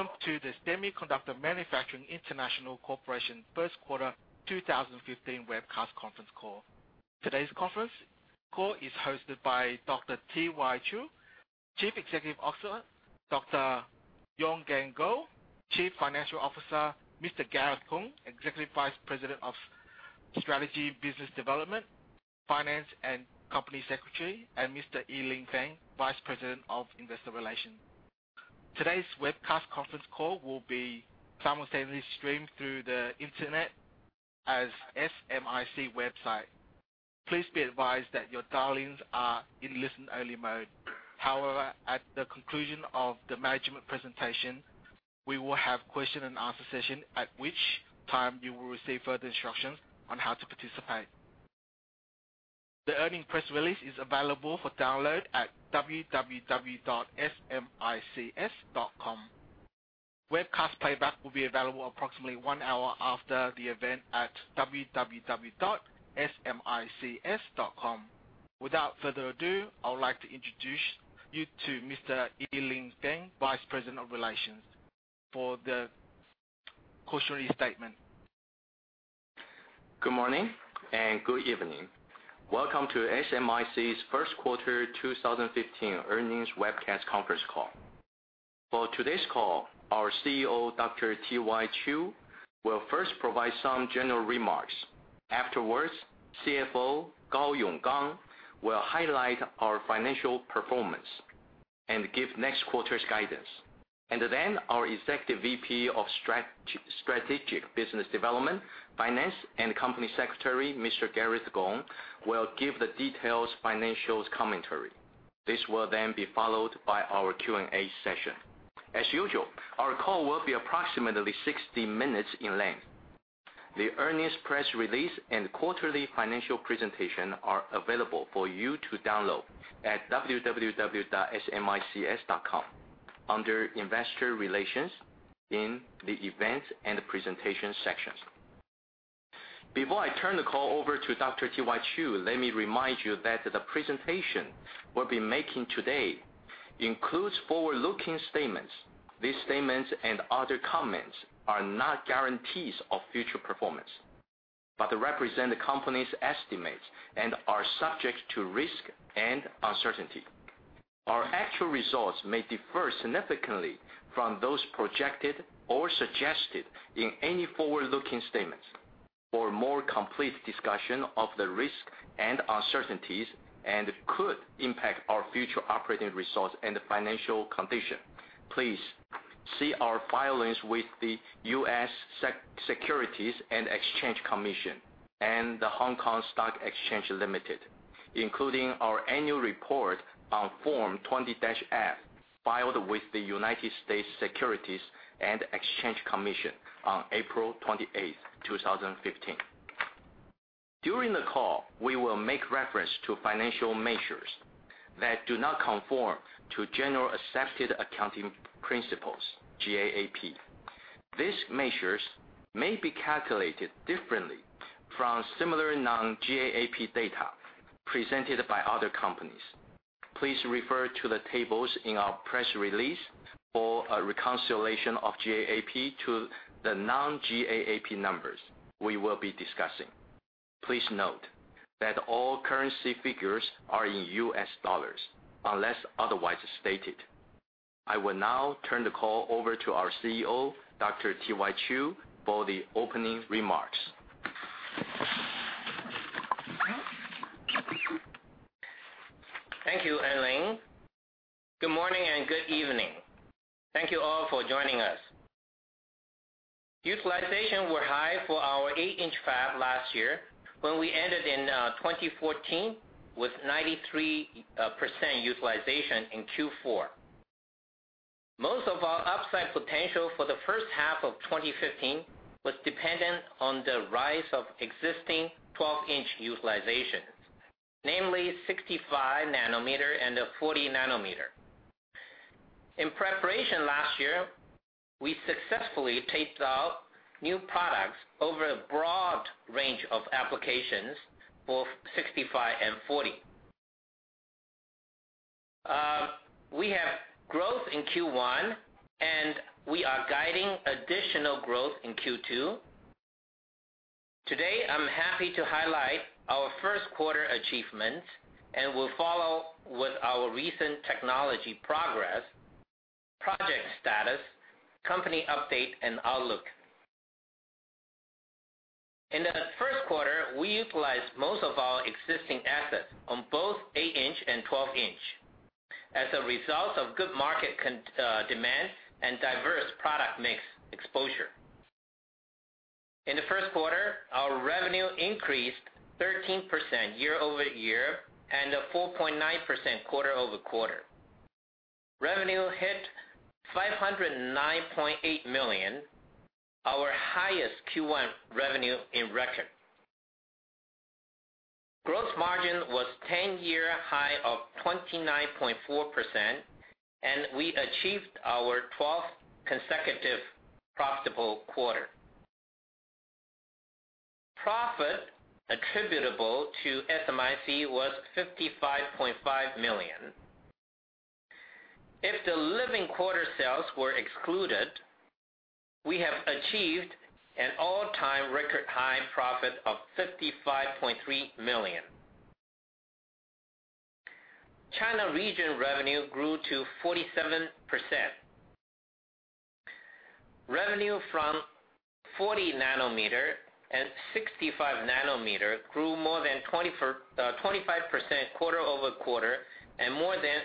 Welcome to the Semiconductor Manufacturing International Corporation first quarter 2015 webcast conference call. Today's conference call is hosted by Dr. T.Y. Chiu, Chief Executive Officer, Dr. Gao Yonggang, Chief Financial Officer, Mr. Gareth Kung, Executive Vice President of Strategy, Business Development, Finance, and Company Secretary, and Mr. Yi Lin Fang, Vice President of Investor Relations. Today's webcast conference call will be simultaneously streamed through the internet as SMIC website. Please be advised that your dial-ins are in listen-only mode. However, at the conclusion of the management presentation, we will have a question and answer session, at which time you will receive further instructions on how to participate. The earnings press release is available for download at www.smics.com. Webcast playback will be available approximately one hour after the event at www.smics.com. Without further ado, I would like to introduce you to Mr. Yi Lin Fang, Vice President of Relations, for the cautionary statement. Good morning and good evening. Welcome to SMIC's first quarter 2015 earnings webcast conference call. For today's call, our CEO, Dr. T.Y. Chiu, will first provide some general remarks. Afterwards, CFO, Gao Yonggang, will highlight our financial performance and give next quarter's guidance. Then our Executive VP of Strategic Business Development, Finance, and Company Secretary, Mr. Gareth Kung, will give the detailed financials commentary. This will then be followed by our Q&A session. As usual, our call will be approximately 60 minutes in length. The earnings press release and quarterly financial presentation are available for you to download at www.smics.com under Investor Relations in the Events and Presentation sections. Before I turn the call over to Dr. T.Y. Chiu, let me remind you that the presentation we'll be making today includes forward-looking statements. These statements and other comments are not guarantees of future performance, but represent the company's estimates and are subject to risk and uncertainty. Our actual results may differ significantly from those projected or suggested in any forward-looking statements. For a more complete discussion of the risk and uncertainties and could impact our future operating results and financial condition, please see our filings with the U.S. Securities and Exchange Commission and the Hong Kong Stock Exchange Limited, including our annual report on Form 20-F filed with the U.S. Securities and Exchange Commission on April 28th, 2015. During the call, we will make reference to financial measures that do not conform to generally accepted accounting principles, GAAP. These measures may be calculated differently from similar non-GAAP data presented by other companies. Please refer to the tables in our press release for a reconciliation of GAAP to the non-GAAP numbers we will be discussing. Please note that all currency figures are in US dollars, unless otherwise stated. I will now turn the call over to our CEO, Dr. T.Y. Chiu, for the opening remarks. Thank you, Lin. Good morning and good evening. Thank you all for joining us. Utilization were high for our eight-inch fab last year when we ended in 2014 with 93% utilization in Q4. Most of our upside potential for the first half of 2015 was dependent on the rise of existing 12-inch utilization, namely 65 nanometer and 40 nanometer. In preparation last year, we successfully taped out new products over a broad range of applications for 65 and 40. We have growth in Q1, and we are guiding additional growth in Q2. Today, I'm happy to highlight our first quarter achievements and will follow with our recent technology progress, project status, company update, and outlook. In the first quarter, we utilized most of our existing assets on both eight-inch and 12-inch as a result of good market demand and diverse product mix exposure. In the first quarter, our revenue increased 13% year-over-year and 4.9% quarter-over-quarter. Revenue hit $509.8 million, our highest Q1 revenue on record. Gross margin was 10-year high of 29.4%, and we achieved our 12th consecutive profitable quarter. Profit attributable to SMIC was $55.5 million. If the living quarters sales were excluded, we have achieved an all-time record high profit of $55.3 million. China region revenue grew to 47%. Revenue from 40 nanometer and 65 nanometer grew more than 25% quarter-over-quarter, and more than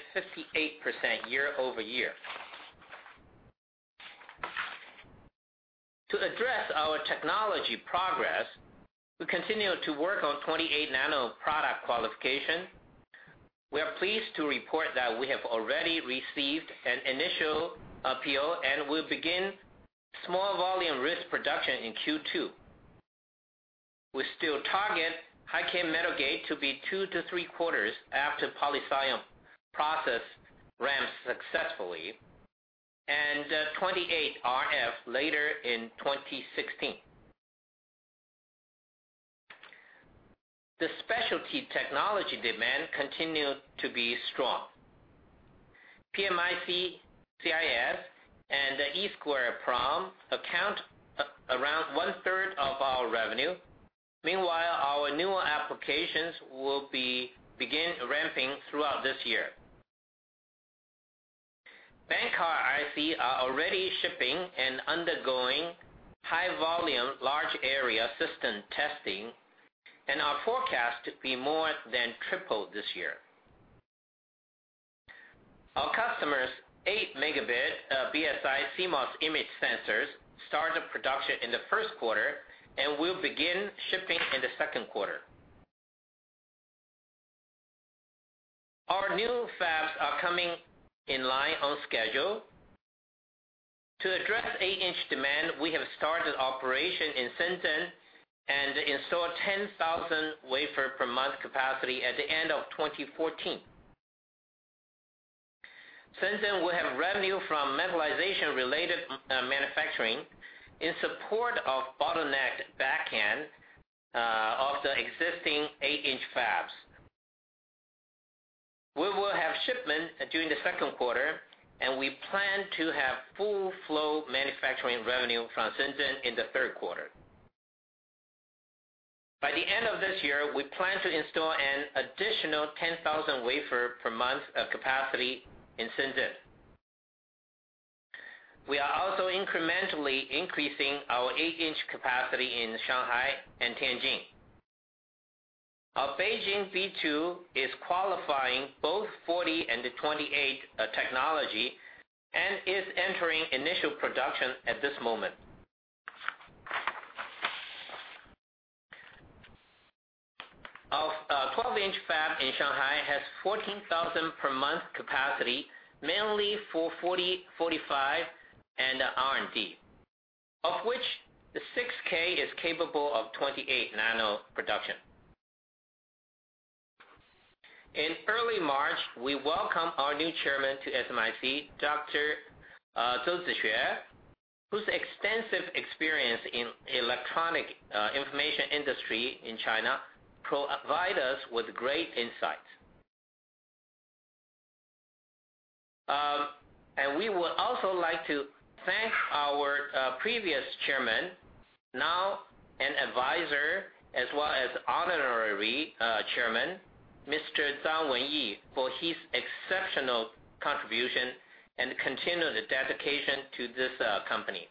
58% year-over-year. To address our technology progress, we continue to work on 28 nano product qualification. We are pleased to report that we have already received an initial approval and will begin small volume risk production in Q2. We still target high-k metal gate to be two to three quarters after polysilicon process ramps successfully, and the 28RF later in 2016. The specialty technology demand continued to be strong. PMIC, CIS, and EEPROM account around one-third of our revenue. Meanwhile, our newer applications will begin ramping throughout this year. Bank card IC are already shipping and undergoing high volume, large area system testing and are forecast to be more than triple this year. Our customers' eight megabit BSI CMOS image sensors started production in the first quarter and will begin shipping in the second quarter. Our new fabs are coming in line on schedule. To address eight-inch demand, we have started operation in Shenzhen and installed 10,000 wafer per month capacity at the end of 2014. Shenzhen will have revenue from metallization-related manufacturing in support of bottlenecked back-end of the existing eight-inch fabs. We will have shipments during the second quarter, and we plan to have full flow manufacturing revenue from Shenzhen in the third quarter. By the end of this year, we plan to install an additional 10,000 wafer per month of capacity in Shenzhen. We are also incrementally increasing our eight-inch capacity in Shanghai and Tianjin. Our Beijing B2 is qualifying both 40 and the 28 technology and is entering initial production at this moment. Our 12-inch fab in Shanghai has 14,000 per month capacity, mainly for 40, 45, and R&D, of which the 6K is capable of 28 nano production. In early March, we welcome our new Chairman to SMIC, Dr. Zhou Zixue, whose extensive experience in electronic information industry in China provide us with great insight. We would also like to thank our previous Chairman, now an advisor as well as Honorary Chairman, Mr. Zhang Wenyi, for his exceptional contribution and continued dedication to this company.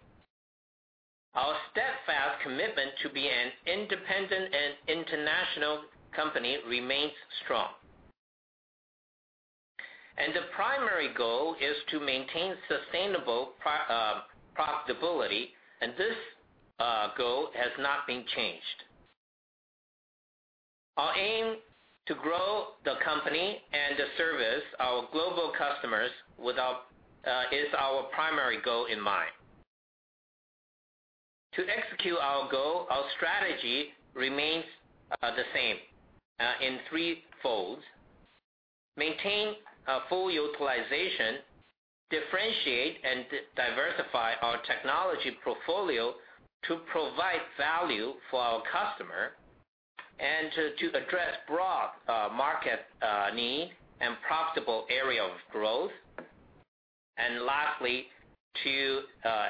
Our steadfast commitment to be an independent and international company remains strong. The primary goal is to maintain sustainable profitability, and this goal has not been changed. Our aim to grow the company and to service our global customers is our primary goal in mind. To execute our goal, our strategy remains the same in threefolds: maintain full utilization; differentiate and diversify our technology portfolio to provide value for our customer and to address broad market need and profitable area of growth; and lastly, to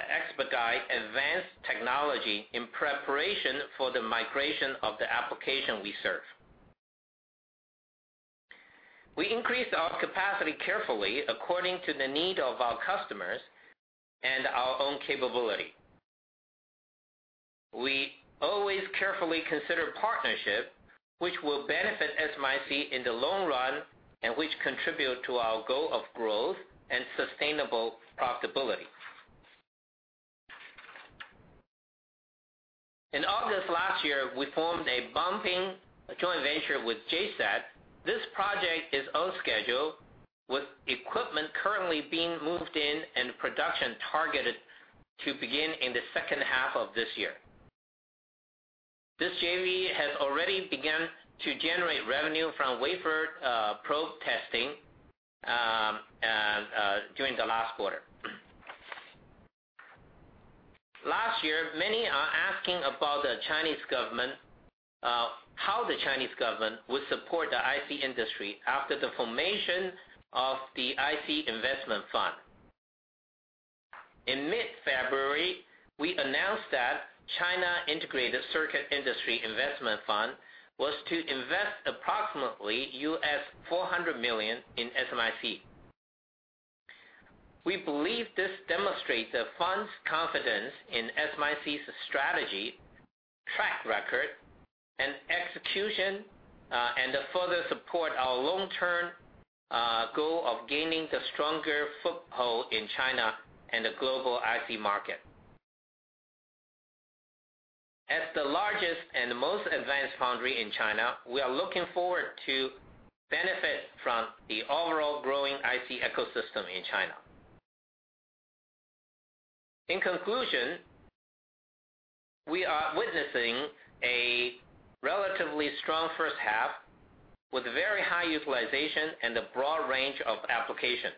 expedite advanced technology in preparation for the migration of the application we serve. We increase our capacity carefully according to the need of our customers and our own capability. We always carefully consider partnership which will benefit SMIC in the long run and which contribute to our goal of growth and sustainable profitability. In August last year, we formed a bumping joint venture with JCET. This project is on schedule with equipment currently being moved in and production targeted to begin in the second half of this year. This JV has already begun to generate revenue from wafer probe testing. Last year, many are asking about the Chinese government, how the Chinese government would support the IC industry after the formation of the IC investment fund. In mid-February, we announced that China Integrated Circuit Industry Investment Fund was to invest approximately $400 million in SMIC. We believe this demonstrates the fund's confidence in SMIC's strategy, track record, and execution, and to further support our long-term goal of gaining the stronger foothold in China and the global IC market. As the largest and most advanced foundry in China, we are looking forward to benefit from the overall growing IC ecosystem in China. In conclusion, we are witnessing a relatively strong first half with very high utilization and a broad range of application.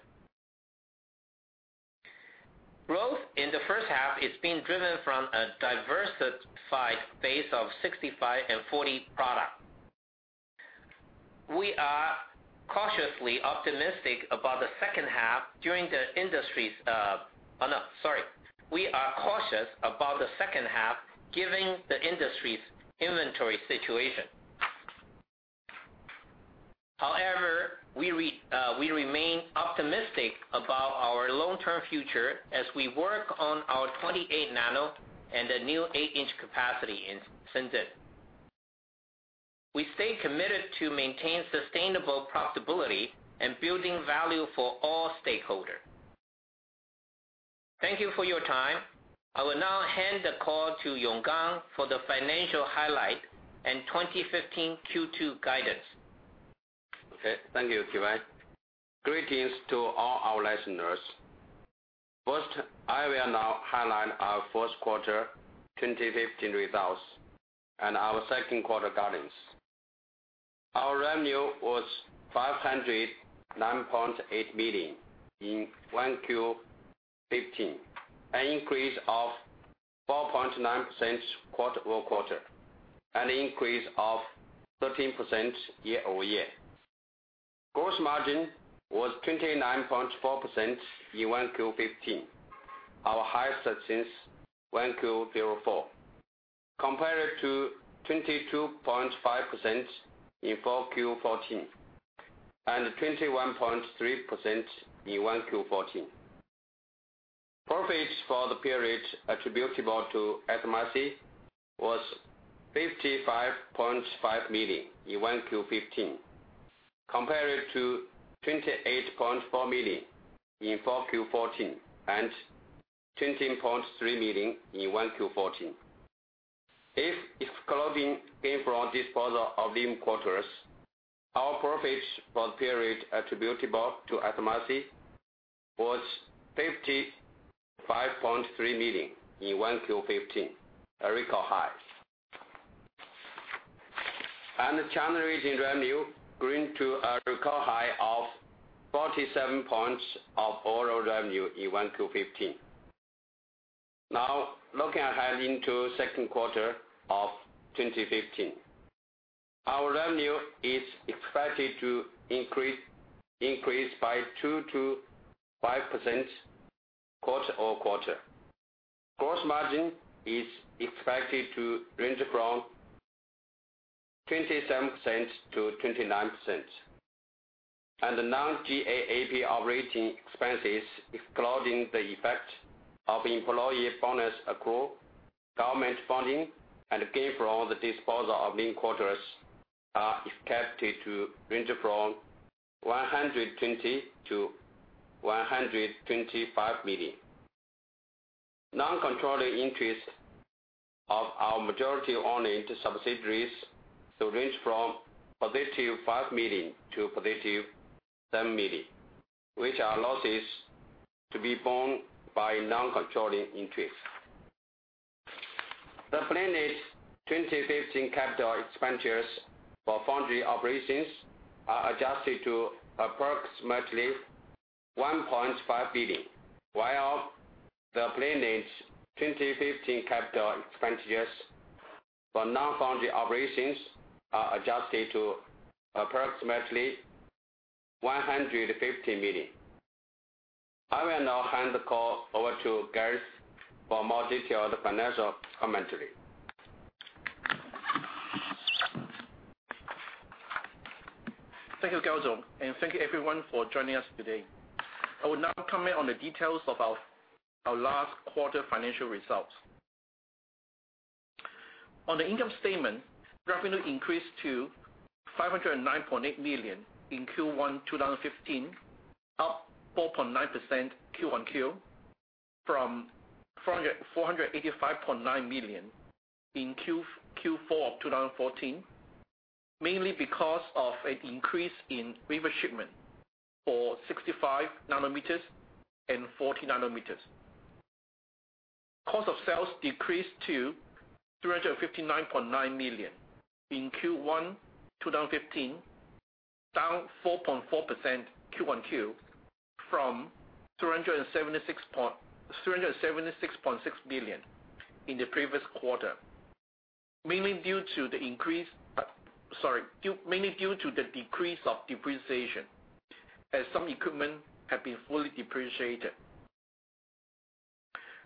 Growth in the first half is being driven from a diversified base of 65 and 40 products. We are cautiously optimistic about the second half during the industry's Oh, no, sorry. We are cautious about the second half giving the industry's inventory situation. However, we remain optimistic about our long-term future as we work on our 28 nano and the new eight-inch capacity in Shenzhen. We stay committed to maintain sustainable profitability and building value for all stakeholders. Thank you for your time. I will now hand the call to Yonggang for the financial highlight and 2015 Q2 guidance. Okay. Thank you, T.Y. Greetings to all our listeners. First, I will now highlight our fourth quarter 2015 results and our second-quarter guidance. Our revenue was $509.8 million in 1Q15, an increase of 4.9% quarter-over-quarter, an increase of 13% year-over-year. Gross margin was 29.4% in 1Q15, our highest since 1Q04, compared to 22.5% in 4Q14, and 21.3% in 1Q14. Profits for the period attributable to SMIC was $55.5 million in 1Q15, compared to $28.4 million in 4Q14 and $20.3 million in 1Q14. If excluding gain from disposal of living quarters, our profits for the period attributable to SMIC was $55.3 million in 1Q15, a record high. China region revenue grew to a record high of 47 points of overall revenue in 1Q15. Looking ahead into second quarter of 2015. Our revenue is expected to increase by 2%-5% quarter-over-quarter. Gross margin is expected to range from 27%-29%. The non-GAAP operating expenses, excluding the effect of employee bonus accrual, government funding, and gain from the disposal of living quarters, are expected to range from $120 million-$125 million. Non-controlling interest of our majority-owned subsidiaries to range from positive $5 million to positive $7 million, which are losses to be borne by non-controlling interests. The planned 2015 capital expenditures for foundry operations are adjusted to approximately $1.5 billion, while the planned 2015 capital expenditures for non-foundry operations are adjusted to approximately $150 million. I will now hand the call over to Gareth for more detailed financial commentary. Thank you, Yonggang, and thank you, everyone, for joining us today. I will now comment on the details of our last quarter financial results. On the income statement, revenue increased to $509.8 million in Q1 2015, up 4.9% Q on Q from $485.9 million in Q4 of 2014, mainly because of an increase in wafer shipment for 65 nanometers and 40 nanometers. Cost of sales decreased to $359.9 million in Q1 2015. Down 4.4% Q1Q from $376.6 million in the previous quarter. Mainly due to the decrease of depreciation as some equipment have been fully depreciated.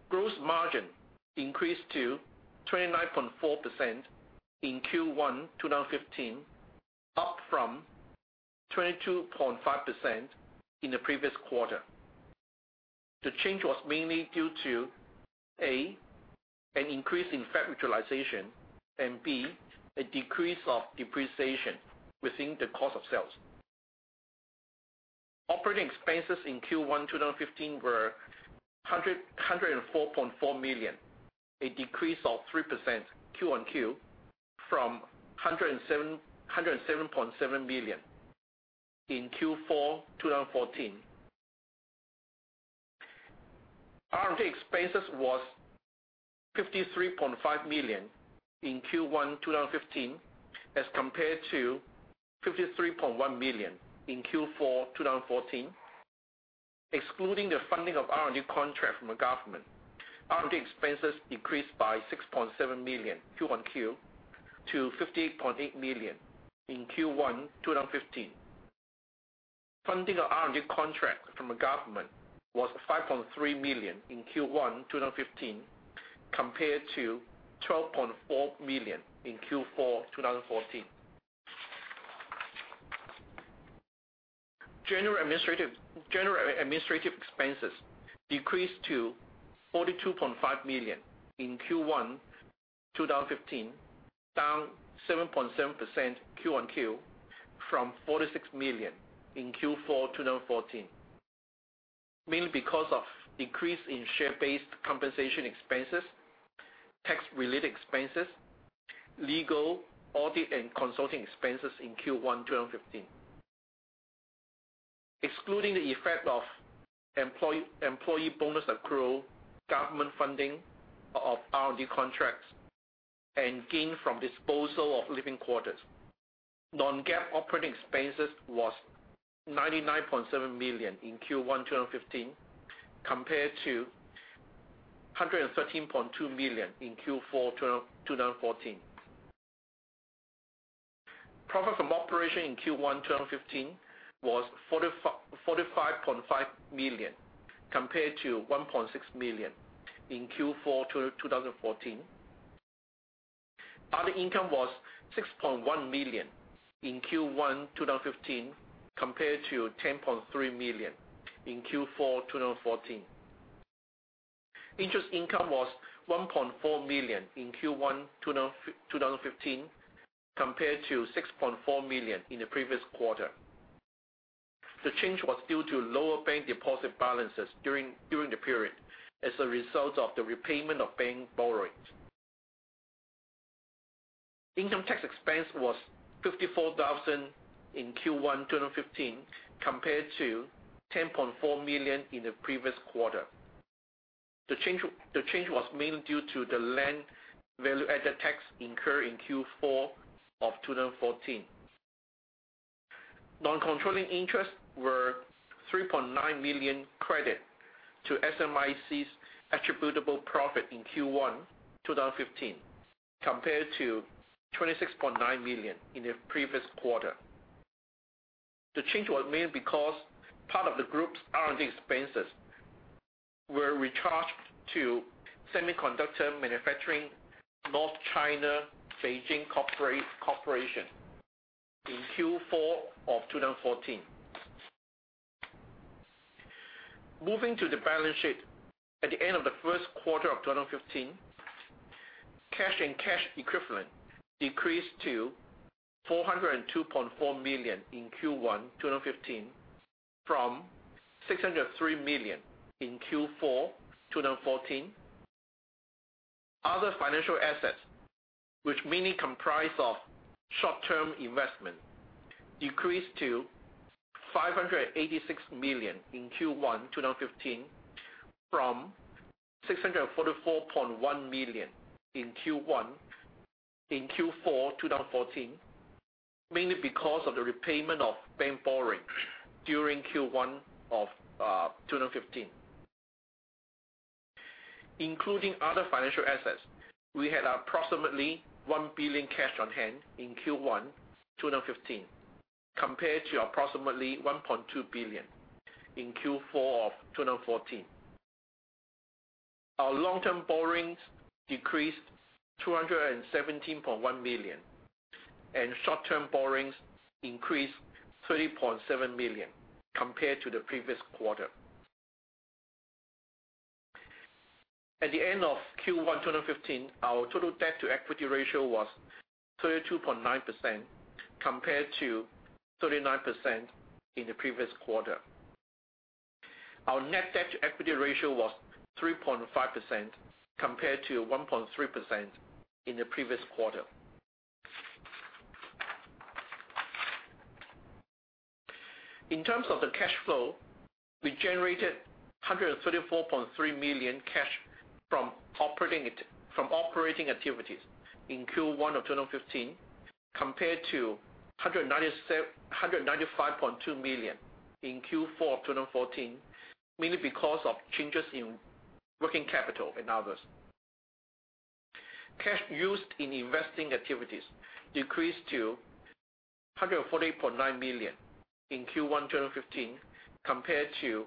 Gross margin increased to 29.4% in Q1 2015, up from 22.5% in the previous quarter. The change was mainly due to, A, an increase in fab utilization, and B, a decrease of depreciation within the cost of sales. Operating expenses in Q1 2015 were $104.4 million, a decrease of 3% Q1Q from $107.7 million in Q4 2014. R&D expenses was $53.5 million in Q1 2015 as compared to $53.1 million in Q4 2014. Excluding the funding of R&D contract from the government, R&D expenses increased by $6.7 million Q1Q to $50.8 million in Q1 2015. Funding of R&D contract from the government was $5.3 million in Q1 2015 compared to $12.4 million in Q4 2014. General administrative expenses decreased to $42.5 million in Q1 2015, down 7.7% Q1Q from $46 million in Q4 2014, mainly because of decrease in share-based compensation expenses, tax-related expenses, legal, audit, and consulting expenses in Q1 2015. Excluding the effect of employee bonus accrual, government funding of R&D contracts, and gain from disposal of living quarters, non-GAAP operating expenses was $99.7 million in Q1 2015 compared to $113.2 million in Q4 2014. Profit from operation in Q1 2015 was $45.5 million compared to $1.6 million in Q4 2014. Other income was $6.1 million in Q1 2015 compared to $10.3 million in Q4 2014. Interest income was $1.4 million in Q1 2015 compared to $6.4 million in the previous quarter. The change was due to lower bank deposit balances during the period as a result of the repayment of bank borrowings. Income tax expense was $54,000 in Q1 2015 compared to $10.4 million in the previous quarter. The change was mainly due to the land value-added tax incurred in Q4 of 2014. Non-controlling interests were $3.9 million credit to SMIC's attributable profit in Q1 2015 compared to $26.9 million in the previous quarter. The change was mainly because part of the group's R&D expenses were recharged to Semiconductor Manufacturing North China Beijing Corporation in Q4 of 2014. Moving to the balance sheet. At the end of the first quarter of 2015, cash and cash equivalent decreased to $402.4 million in Q1 2015 from $603 million in Q4 2014. Other financial assets, which mainly comprise of short-term investment, decreased to $586 million in Q1 2015 from $644.1 million in Q4 2014, mainly because of the repayment of bank borrowings during Q1 of 2015. Including other financial assets, we had approximately $1 billion cash on hand in Q1 2015 compared to approximately $1.2 billion in Q4 of 2014. Our long-term borrowings decreased to $217.1 million and short-term borrowings increased $30.7 million compared to the previous quarter. At the end of Q1 2015, our total debt-to-equity ratio was 32.9% compared to 39% in the previous quarter. Our net debt-to-equity ratio was 3.5% compared to 1.3% in the previous quarter. In terms of the cash flow, we generated $134.3 million cash from operating activities in Q1 of 2015 compared to $195.2 million in Q4 of 2014, mainly because of changes in working capital and others. Cash used in investing activities decreased to $140.9 million in Q1 2015 compared to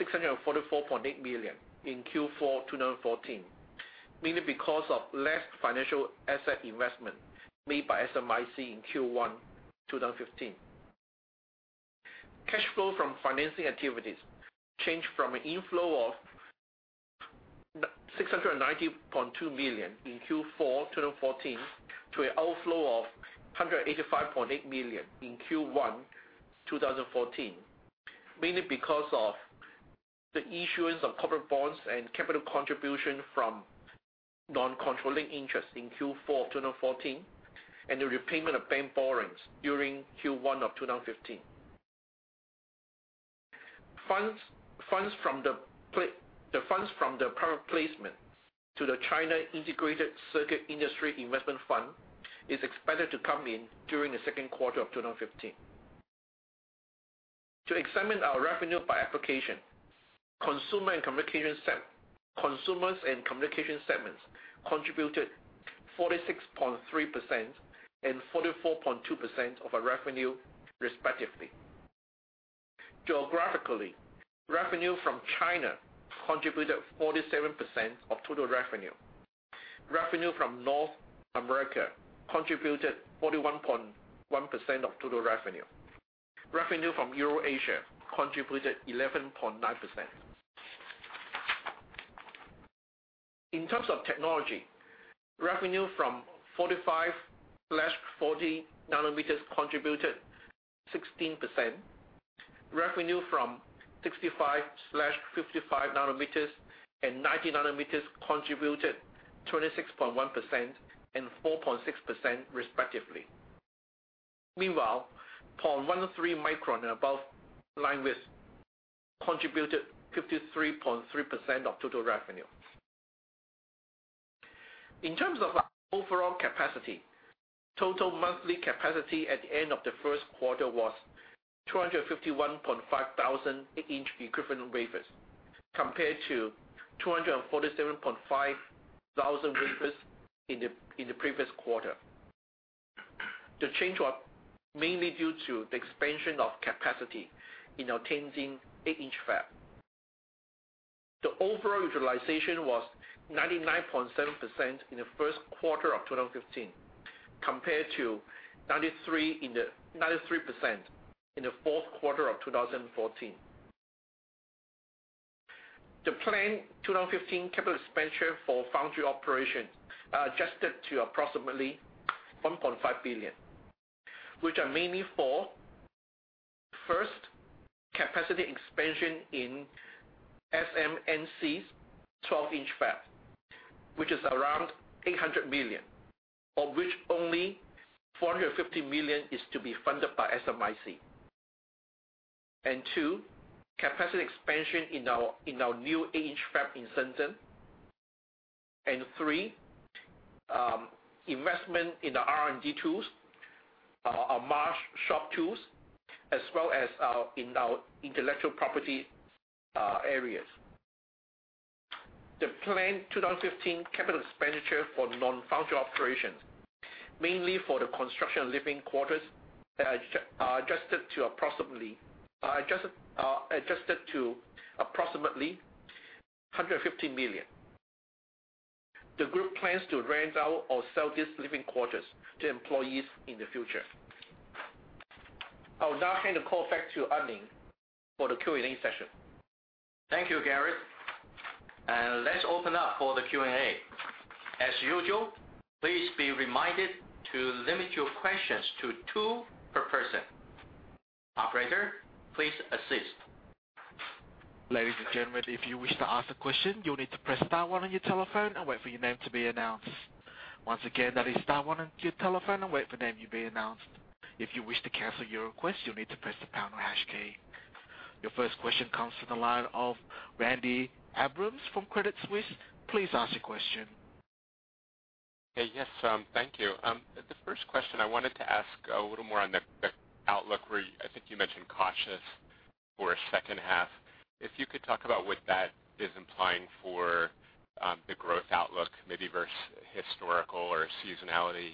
$644.8 million in Q4 2014, mainly because of less financial asset investment made by SMIC in Q1 2015. Cash flow from financing activities changed from an inflow of $690.2 million in Q4 2014 to an outflow of $185.8 million in Q1 2015, mainly because of the issuance of corporate bonds and capital contribution from non-controlling interest in Q4 of 2014, and the repayment of bank borrowings during Q1 of 2015. The funds from the private placement to the China Integrated Circuit Industry Investment Fund is expected to come in during the second quarter of 2015. To examine our revenue by application, consumers and communication segments contributed 46.3% and 44.2% of our revenue, respectively. Geographically, revenue from China contributed 47% of total revenue. Revenue from North America contributed 41.1% of total revenue. Revenue from Eurasia contributed 11.9%. In terms of technology, revenue from 45/40 nanometers contributed 16%. Revenue from 65/55 nanometers and 90 nanometers contributed 26.1% and 4.6%, respectively. Meanwhile, 0.13 micron and above line width contributed 53.3% of total revenue. In terms of our overall capacity, total monthly capacity at the end of the first quarter was 251,500 eight-inch equivalent wafers, compared to 247,500 wafers in the previous quarter. The change was mainly due to the expansion of capacity in our Tianjin eight-inch fab. The overall utilization was 99.7% in the first quarter of 2015 compared to 93% in the fourth quarter of 2014. The planned 2015 capital expenditure for foundry operations are adjusted to approximately $1.5 billion, which are mainly for, first, capacity expansion in SMNC's 12-inch fab, which is around $800 million, of which only $450 million is to be funded by SMIC. Two, capacity expansion in our new 8-inch fab in Shenzhen. Three, investment in the R&D tools, our mask shop tools, as well as in our intellectual property areas. The planned 2015 capital expenditure for non-foundry operations, mainly for the construction of living quarters, are adjusted to approximately $150 million. The group plans to rent out or sell these living quarters to employees in the future. I will now hand the call back to Aning for the Q&A session. Thank you, Gareth. Let's open up for the Q&A. As usual, please be reminded to limit your questions to two per person. Operator, please assist. Ladies and gentlemen, if you wish to ask a question, you'll need to press star one on your telephone and wait for your name to be announced. Once again, that is star one on your telephone and wait for your name to be announced. If you wish to cancel your request, you'll need to press the pound or hash key. Your first question comes from the line of Randy Abrams from Credit Suisse. Please ask your question. Yes. Thank you. The first question I wanted to ask a little more on the outlook where I think you mentioned cautious for second half. If you could talk about what that is implying for the growth outlook, maybe versus historical or seasonality.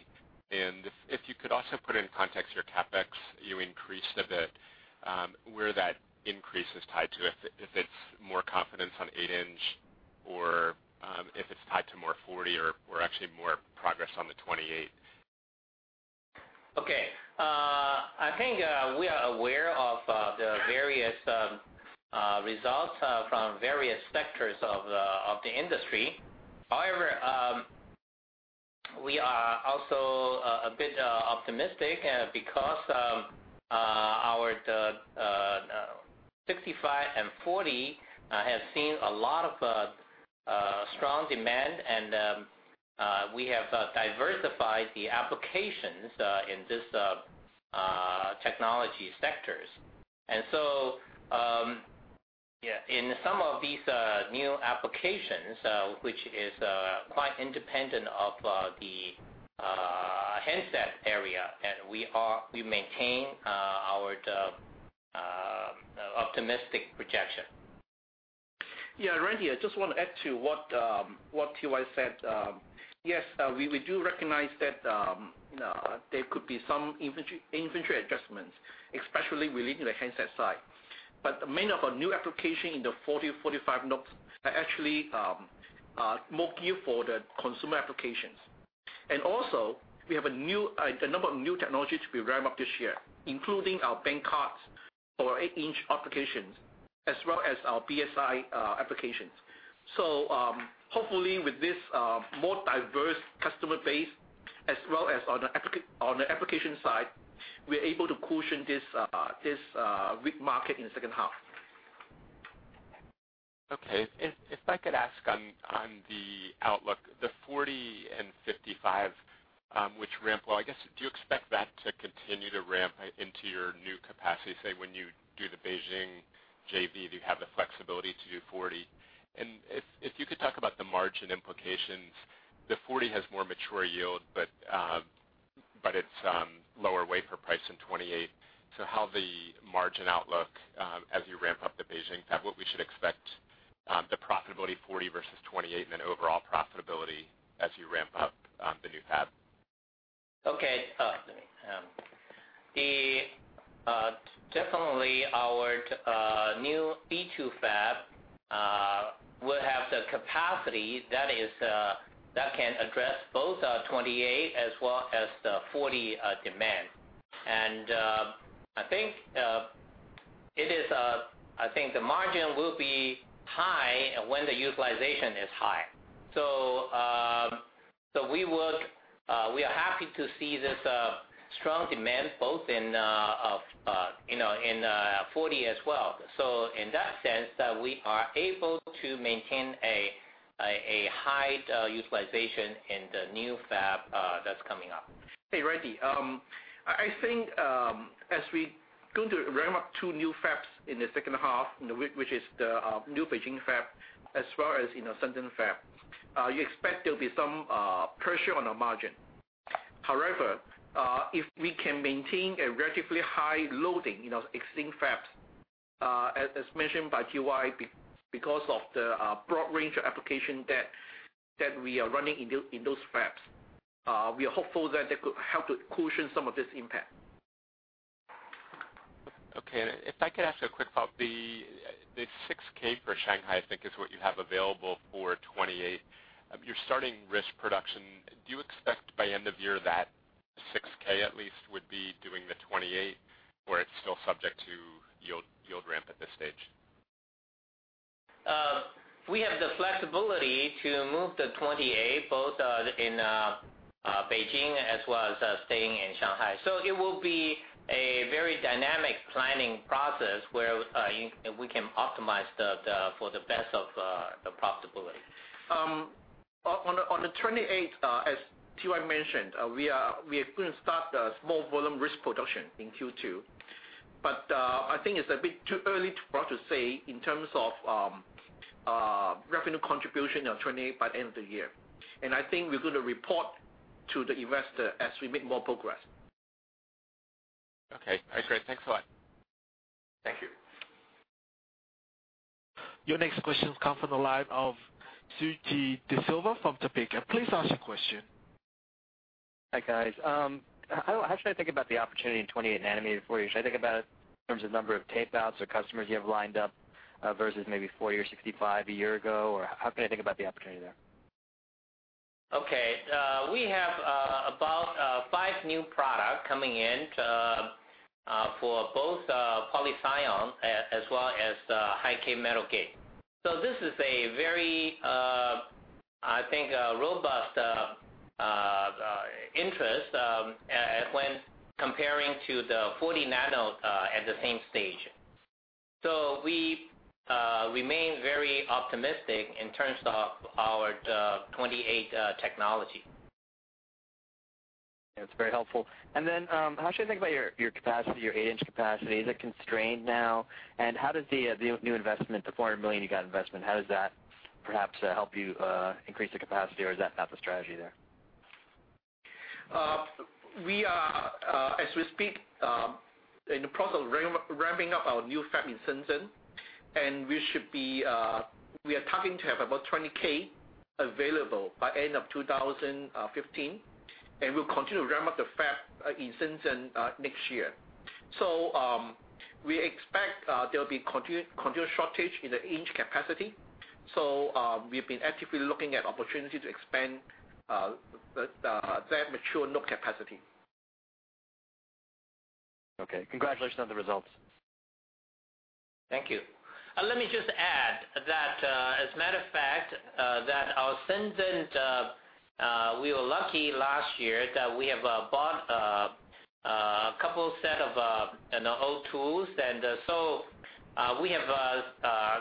If you could also put in context your CapEx, you increased a bit, where that increase is tied to, if it's more confidence on 8-inch or if it's tied to more 40 or actually more progress on the 28. Okay. I think we are aware of the various results from various sectors of the industry. However, we are also a bit optimistic because our 65 and 40 have seen a lot of Strong demand, and we have diversified the applications in these technology sectors. In some of these new applications, which is quite independent of the handset area, and we maintain our optimistic projection. Randy, I just want to add to what T.Y. said. Yes, we do recognize that there could be some inventory adjustments, especially relating to the handset side. Many of our new applications in the 40, 45 nodes are actually more geared for the consumer applications. Also, we have a number of new technologies to be ramped up this year, including our bank card ICs for our 8-inch applications, as well as our BSI applications. Hopefully with this more diverse customer base as well as on the application side, we are able to cushion this weak market in the second half. Okay. If I could ask on the outlook, the 40 and 55, which ramp, do you expect that to continue to ramp into your new capacity? Say when you do the Beijing JV, do you have the flexibility to do 40? If you could talk about the margin implications, the 40 has more mature yield, but it's lower wafer price than 28. How the margin outlook, as you ramp up the Beijing fab, what we should expect the profitability of 40 versus 28, and then overall profitability as you ramp up the new fab. Okay. Definitely our new B2 fab will have the capacity that can address both our 28 as well as the 40 demand. I think the margin will be high when the utilization is high. We are happy to see this strong demand both in 40 as well. In that sense, that we are able to maintain a high utilization in the new fab that's coming up. Hey, Randy. I think as we're going to ramp up two new fabs in the second half, which is the new Beijing fab, as well as Shenzhen fab, you expect there'll be some pressure on the margin. However, if we can maintain a relatively high loading, existing fabs, as mentioned by T.Y., because of the broad range of application that we are running in those fabs, we are hopeful that that could help to cushion some of this impact. Okay. If I could ask a quick follow-up. The 6K for Shanghai, I think, is what you have available for 28. You're starting risk production. Do you expect by end of year that 6K at least would be doing the 28, or it's still subject to yield ramp at this stage? We have the flexibility to move the 28, both in Beijing as well as staying in Shanghai. It will be a very dynamic planning process where we can optimize for the best of the profitability. On the 28th, as T.Y. mentioned, we are going to start the small volume risk production in Q2. I think it's a bit too early for us to say in terms of revenue contribution of 28 by the end of the year. I think we're going to report to the investor as we make more progress. Okay. Great. Thanks a lot. Thank you. Your next question comes from the line of Sujit D'Silva from Topeka. Please ask your question. Hi, guys. How should I think about the opportunity in 28 nano compared to 40? Should I think about it in terms of number of tape outs or customers you have lined up, versus maybe 40 or 65 a year ago? How can I think about the opportunity there? Okay. We have about five new products coming in for both polysilicon as well as high-k metal gate. This is a very, I think, robust interest when comparing to the 40 nano at the same stage. We remain very optimistic in terms of our 28 technology. That's very helpful. How should I think about your capacity, your eight-inch capacity? Is it constrained now? How does the new investment, the $400 million you got investment, how does that perhaps help you increase the capacity, or is that not the strategy there? As we speak, in the process of ramping up our new fab in Shenzhen, and we are targeting to have about 20K available by end of 2015, and we'll continue to ramp up the fab in Shenzhen next year. We expect there'll be continued shortage in the eight-inch capacity. We've been actively looking at opportunities to expand the fab mature node capacity. Okay. Congratulations on the results. Thank you. Let me just add that, as a matter of fact, that our Shenzhen, we were lucky last year that we have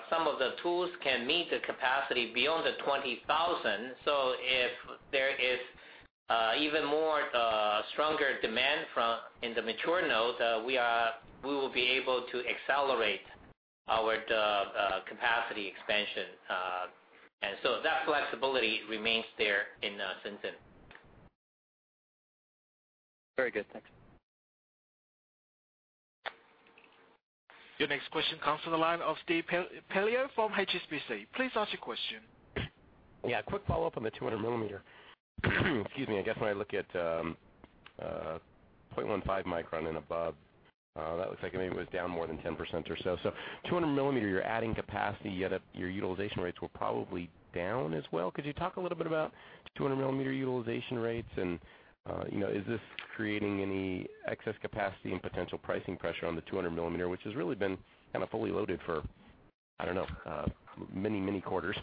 some of the tools that can meet the capacity beyond the 20,000. If there is even stronger demand in the mature nodes, we will be able to accelerate our capacity expansion. So that flexibility remains there in Shenzhen. Very good. Thanks. Your next question comes from the line of Steve Pelayo from HSBC. Please ask your question. Yeah. A quick follow-up on the 200 millimeter. Excuse me. I guess when I look at 0.15 micron and above, that looks like maybe it was down more than 10% or so. 200 millimeter, you're adding capacity, yet your utilization rates were probably down as well. Could you talk a little bit about 200-millimeter utilization rates and, is this creating any excess capacity and potential pricing pressure on the 200 millimeter, which has really been kind of fully loaded for, I don't know, many quarters?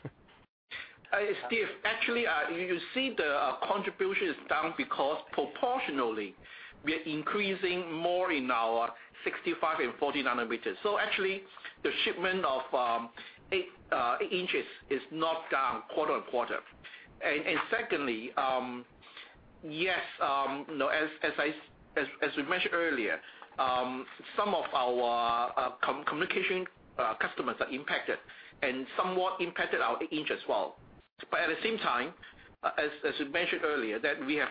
Steve, actually, you see the contribution is down because proportionally we are increasing more in our 65 and 40 nanometers. Actually, the shipment of eight inches is not down quarter-on-quarter. Secondly, yes, as we mentioned earlier, some of our communication customers are impacted and somewhat impacted our eight-inch as well. At the same time, as we mentioned earlier, that we have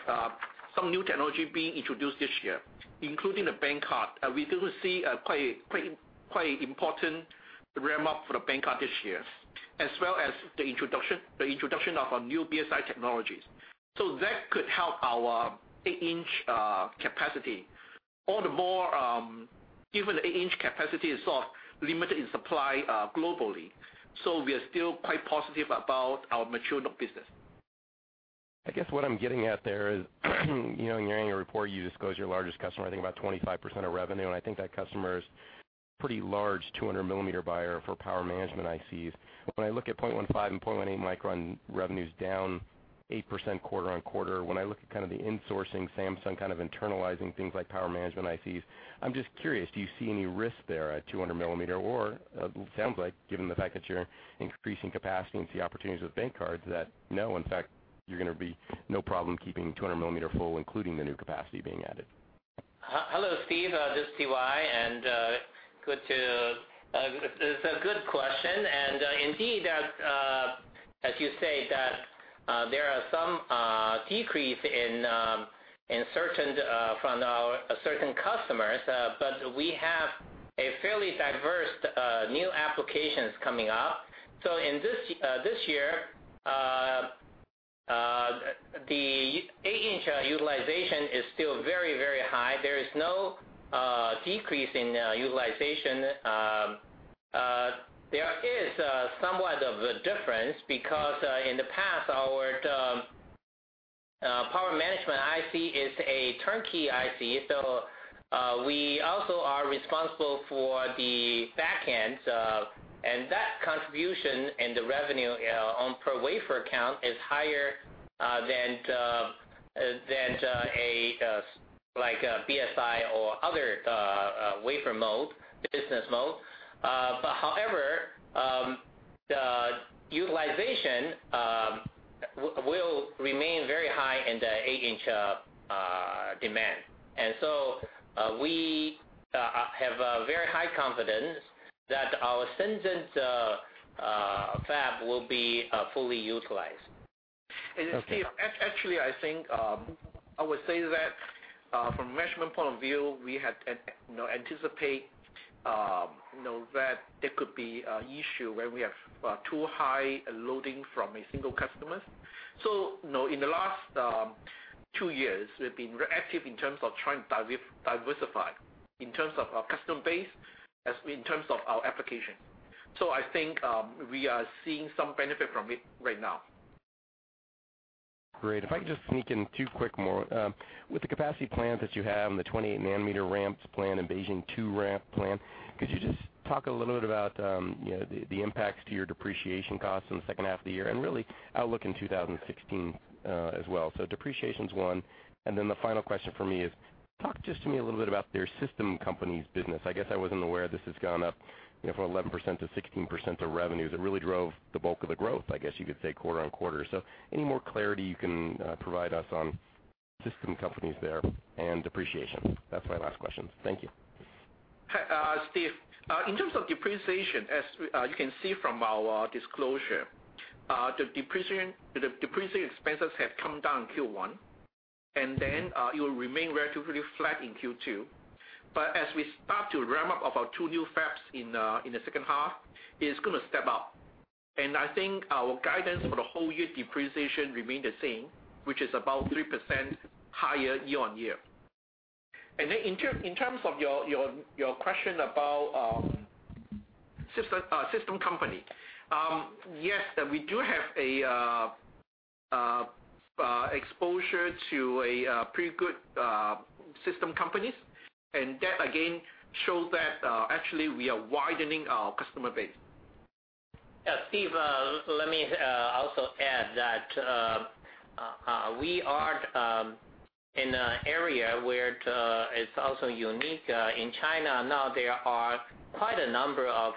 some new technology being introduced this year, including the bank card. We do see a quite important ramp-up for the bank card this year, as well as the introduction of our new BSI technologies. That could help our eight-inch capacity. All the more, given the eight-inch capacity is sort of limited in supply globally. We are still quite positive about our mature node business. I guess what I'm getting at there is in your annual report, you disclose your largest customer, I think about 25% of revenue, and I think that customer's a pretty large 200-millimeter buyer for power management ICs. When I look at 0.15 and 0.18 micron revenues down 8% quarter-on-quarter. When I look at kind of the insourcing, Samsung kind of internalizing things like power management ICs. I'm just curious, do you see any risk there at 200 millimeter? Or it sounds like, given the fact that you're increasing capacity and see opportunities with bank cards that no, in fact, you're going to be no problem keeping 200 millimeter full, including the new capacity being added. Hello, Steve. This is T.Y. It's a good question, indeed, as you say, that there are some decrease from our certain customers, we have fairly diverse new applications coming up. In this year, the eight-inch utilization is still very high. There is no decrease in utilization. There is somewhat of a difference because, in the past, our power management IC is a turnkey IC, we also are responsible for the back end. That contribution and the revenue on per wafer count is higher than like a BSI or other wafer mode, business mode. However, the utilization will remain very high in the eight-inch demand. We have a very high confidence that our Shenzhen fab will be fully utilized. Okay. Steve, actually, I think, I would say that from measurement point of view, we had anticipated that there could be an issue where we have too high loading from a single customer. In the last 2 years, we've been very active in terms of trying to diversify in terms of our customer base, as in terms of our application. I think, we are seeing some benefit from it right now. Great. If I could just sneak in 2 quick more. With the capacity plans that you have and the 28-nanometer ramp plan and Beijing 2 ramp plan, could you just talk a little bit about the impacts to your depreciation costs in the second half of the year and really outlook in 2016 as well? Depreciation is one, and then the final question for me is, talk just to me a little bit about the system companies business. I guess I wasn't aware this has gone up from 11% to 16% of revenues. It really drove the bulk of the growth, I guess you could say, quarter-on-quarter. Any more clarity you can provide us on system companies there and depreciation? That's my last question. Thank you. Steve, in terms of depreciation, as you can see from our disclosure, the depreciation expenses have come down in Q1, it will remain relatively flat in Q2. As we start to ramp up our 2 new fabs in the second half, it's going to step up. I think our guidance for the whole year depreciation remain the same, which is about 3% higher year-on-year. In terms of your question about system company. Yes, we do have exposure to pretty good system companies, and that again, shows that actually we are widening our customer base. Yeah, Steve, let me also add that it's also unique. In China now, there are quite a number of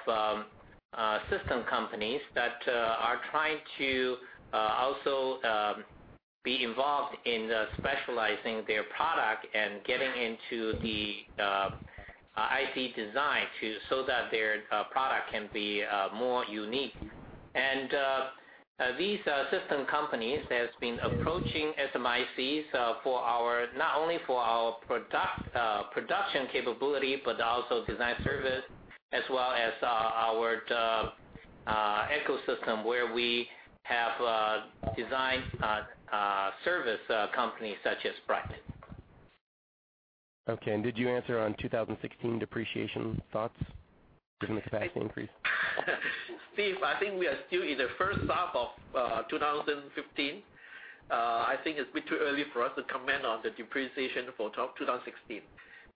system companies that are trying to also be involved in specializing their product and getting into the IC design, so that their product can be more unique. These system companies have been approaching SMIC, not only for our production capability but also design service, as well as our ecosystem, where we have design service companies such as Brite. Okay. did you answer on 2016 depreciation thoughts, given the capacity increase? Steve, I think we are still in the first half of 2015. I think it's a bit too early for us to comment on the depreciation for 2016.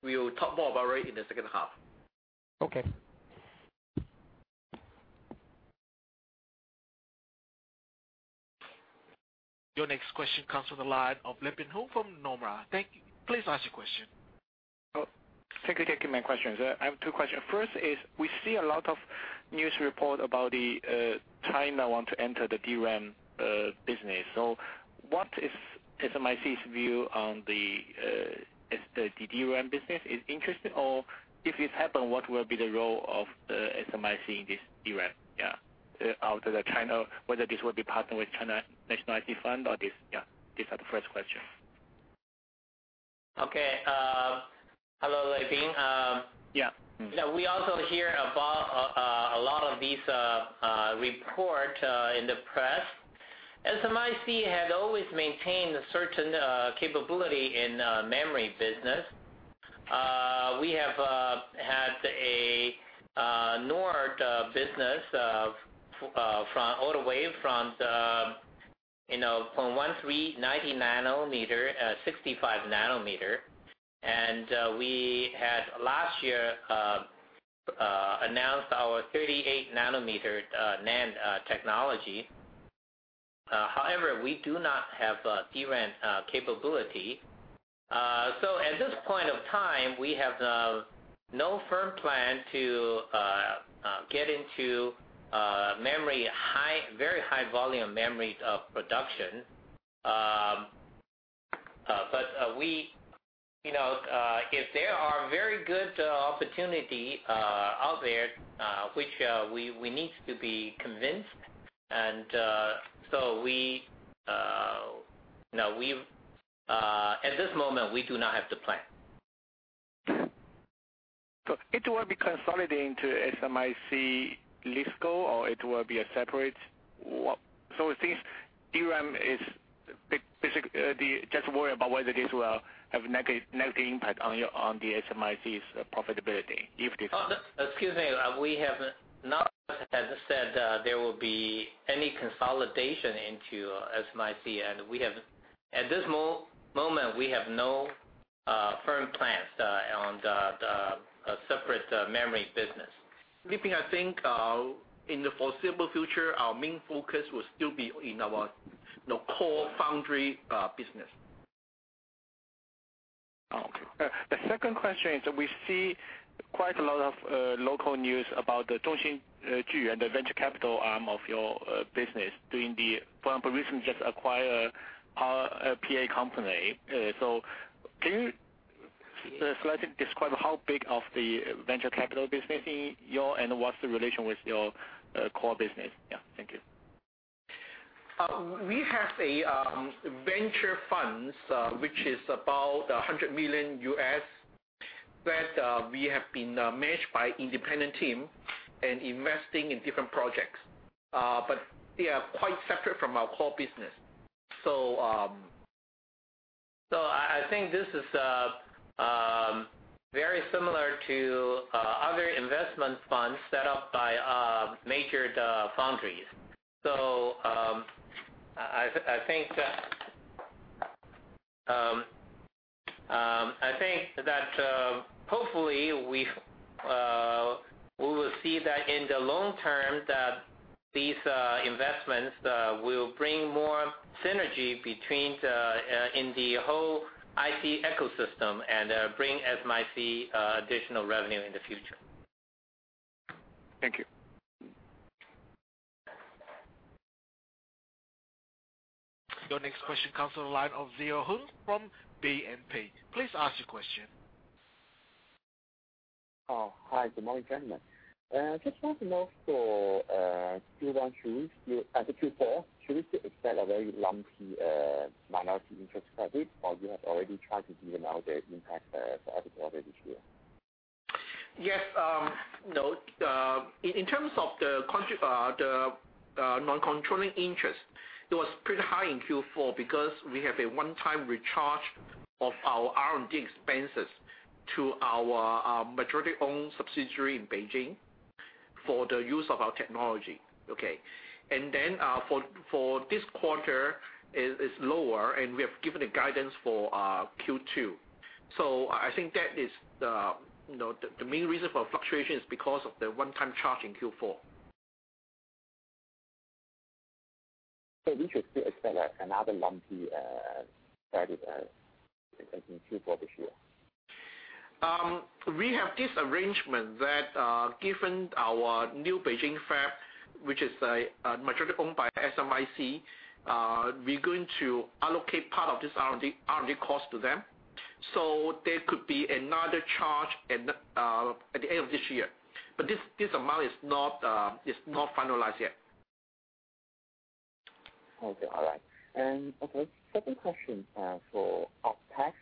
We will talk more about it in the second half. Okay. Your next question comes from the line of Leping Huang from Nomura. Please ask your question. Thank you for taking my questions. I have two questions. First is, we see a lot of news report about China want to enter the DRAM business. what is SMIC's view on the DRAM business? Is interesting? if it happen, what will be the role of SMIC in this DRAM? Whether this will be partnered with China National IC Fund? These are the first question. Okay. Hello, Leping. Yeah. We also hear about a lot of these report in the press. SMIC has always maintained a certain capability in memory business. We have had a NOR business all the way from 13, 90 nanometer, 65 nanometer, and we had last year announced our 38 nanometer NAND technology. However, we do not have DRAM capability. At this point of time, we have no firm plan to get into very high volume memories of production. If there are very good opportunity out there which we need to be convinced, at this moment, we do not have the plan. It will be consolidated into SMIC's listed co, or it will be a separate? Since DRAM is basic-- I just worry about whether this will have negative impact on the SMIC's profitability. Excuse me. We have not said there will be any consolidation into SMIC. At this moment, we have no firm plans on the separate memory business. Leping, I think in the foreseeable future, our main focus will still be in our core foundry business. Okay. The second question is, we see quite a lot of local news about the Zhongxin Juyuan and the venture capital arm of your business doing the-- For example, recently just acquire PA company. Can you slightly describe how big of the venture capital business in your, and what's the relation with your core business? Yeah, thank you. We have a venture funds, which is about $100 million, that we have been managed by independent team and investing in different projects. They are quite separate from our core business. I think this is very similar to other investment funds set up by major foundries. I think that hopefully, we will see that in the long term that these investments will bring more synergy in the whole IC ecosystem and bring SMIC additional revenue in the future. Thank you. Your next question comes from the line of Sze Ho Ng from BNP. Please ask your question. Hi, good morning, gentlemen. Just want to know for Q4, should we still expect a very lumpy minority interest credit, or you have already tried to give out the impact for other quarter this year? Yes. In terms of the non-controlling interest, it was pretty high in Q4 because we have a one-time recharge of our R&D expenses to our majority-owned subsidiary in Beijing for the use of our technology. Okay. For this quarter it is lower, and we have given a guidance for Q2. I think that is the main reason for fluctuation is because of the one-time charge in Q4. We should still expect another lumpy credit in Q4 this year. We have this arrangement that given our new Beijing fab, which is majority owned by SMIC, we're going to allocate part of this R&D cost to them. There could be another charge at the end of this year. This amount is not finalized yet. Okay. All right. Second question for OpEx.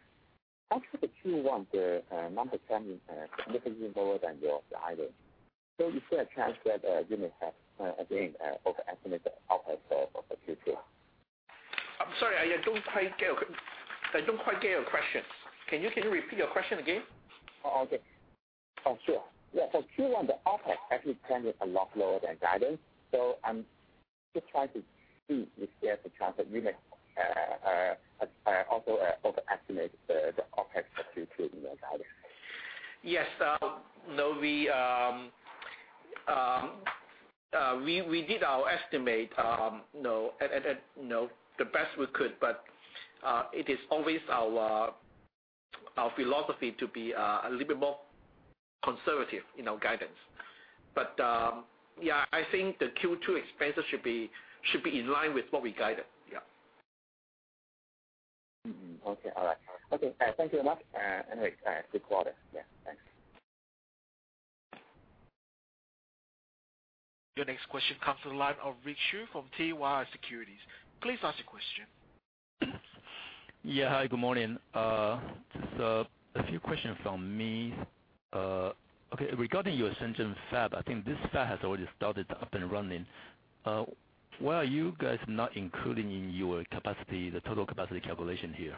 Actually, the Q1, the number came in significantly lower than your guidance. Is there a chance that you may have, again, over-estimated the OpEx of Q2? I'm sorry, I don't quite get your question. Can you repeat your question again? Oh, okay. Sure. Yeah. Q1, the OpEx actually came in a lot lower than guidance. I'm just trying to see if there's a chance that you may have also over-estimated the OpEx of Q2 in your guidance. Yes. No, we did our estimate the best we could, it is always our philosophy to be a little bit more conservative in our guidance. Yeah, I think the Q2 expenses should be in line with what we guided. Yeah. Okay. All right. Okay, thank you very much. Anyway, good quarter. Yeah. Thanks. Your next question comes to the line of Rick Shu from Daiwa Securities. Please ask your question. Yeah. Hi, good morning. Just a few questions from me. Okay, regarding your Shenzhen fab, I think this fab has already started up and running. Why are you guys not including in your capacity, the total capacity calculation here?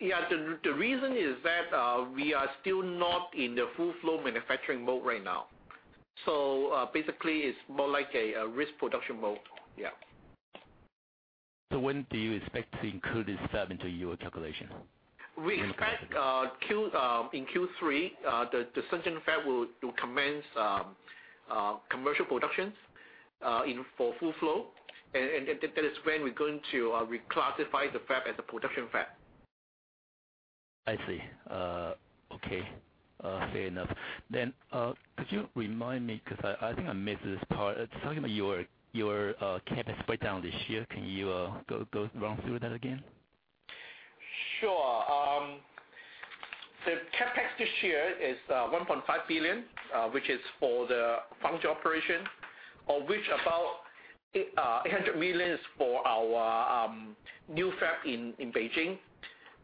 Yeah, the reason is that, we are still not in the full flow manufacturing mode right now. Basically, it's more like a risk production mode. Yeah. When do you expect to include this fab into your calculation? We expect in Q3, the Shenzhen fab will commence commercial productions, for full flow. That is when we're going to reclassify the fab as a production fab. I see. Okay. Fair enough. Could you remind me, because I think I missed this part. Talking about your CapEx breakdown this year. Can you run through that again? Sure. The CapEx this year is $1.5 billion, which is for the foundry operation, of which about $800 million is for our new fab in Beijing.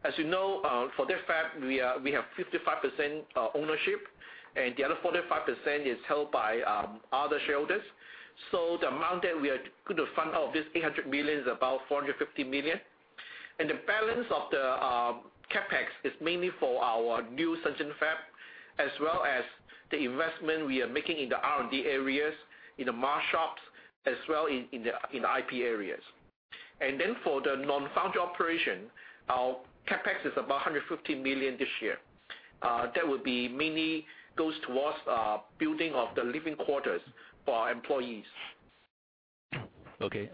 As you know, for that fab, we have 55% ownership, and the other 45% is held by other shareholders. The amount that we are going to fund out of this $800 million is about $450 million. The balance of the CapEx is mainly for our new Shenzhen fab, as well as the investment we are making in the R&D areas, in the mask shops, as well in IP areas. Then for the non-foundry operation, our CapEx is about $150 million this year. That would be mainly goes towards building of the living quarters for our employees. Okay.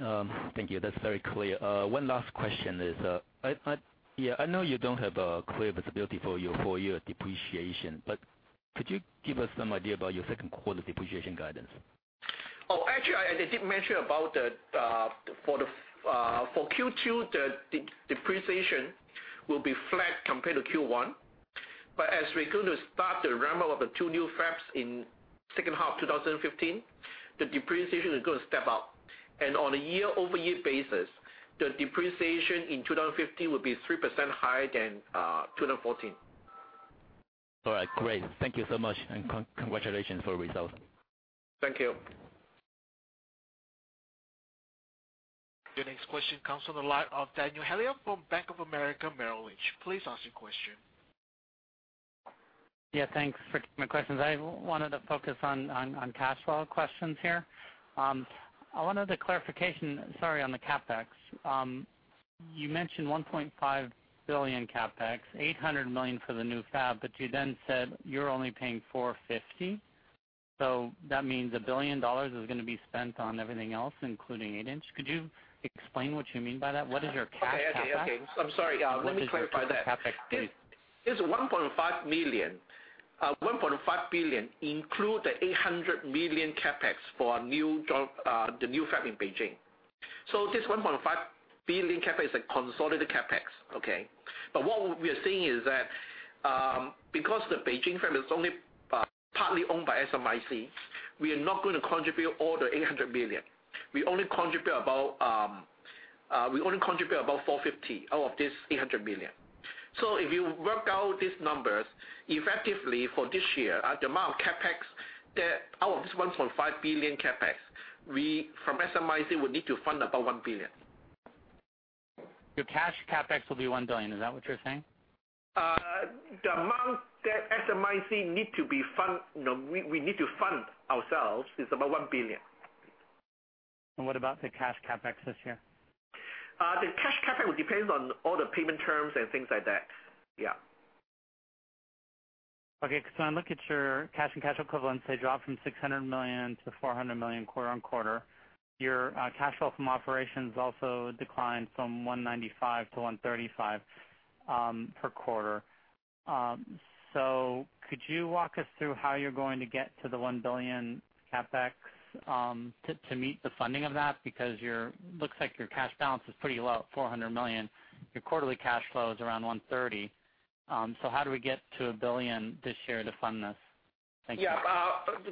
Thank you. That's very clear. One last question is, I know you don't have a clear visibility for your full year depreciation, but could you give us some idea about your second quarter depreciation guidance? Actually, I did mention about for Q2, the depreciation will be flat compared to Q1. As we're going to start the ramp up of the two new fabs in second half 2015, the depreciation is going to step up. On a year-over-year basis, the depreciation in 2015 will be 3% higher than 2014. All right, great. Thank you so much. Congratulations for the results. Thank you. Your next question comes from the line of Daniel Haley from Bank of America Merrill Lynch. Please ask your question. Yeah, thanks for taking my questions. I wanted to focus on cash flow questions here. I wanted a clarification, sorry, on the CapEx. You mentioned $1.5 billion CapEx, $800 million for the new fab. You then said you're only paying $450. That means $1 billion is going to be spent on everything else, including eight-inch. Could you explain what you mean by that? What is your cash CapEx? Okay. I'm sorry. Let me clarify that. What is your cash CapEx please? This $1.5 billion include the $800 million CapEx for the new fab in Beijing. This $1.5 billion CapEx is a consolidated CapEx, okay? What we are saying is that, because the Beijing fab is only partly owned by SMIC, we are not going to contribute all the $800 million. We only contribute about $450 million out of this $800 million. If you work out these numbers, effectively for this year, the amount of CapEx out of this $1.5 billion CapEx, from SMIC, we need to fund about $1 billion. Your cash CapEx will be $1 billion. Is that what you're saying? We need to fund ourselves is about $1 billion. What about the cash CapEx this year? The cash CapEx will depend on all the payment terms and things like that. Yeah. Okay. When I look at your cash and cash equivalents, they dropped from $600 million to $400 million quarter-on-quarter. Your cash flow from operations also declined from $195 to $135 per quarter. Could you walk us through how you're going to get to the $1 billion CapEx, to meet the funding of that? Looks like your cash balance is pretty low at $400 million. Your quarterly cash flow is around $130. How do we get to $1 billion this year to fund this? Thank you. Yeah.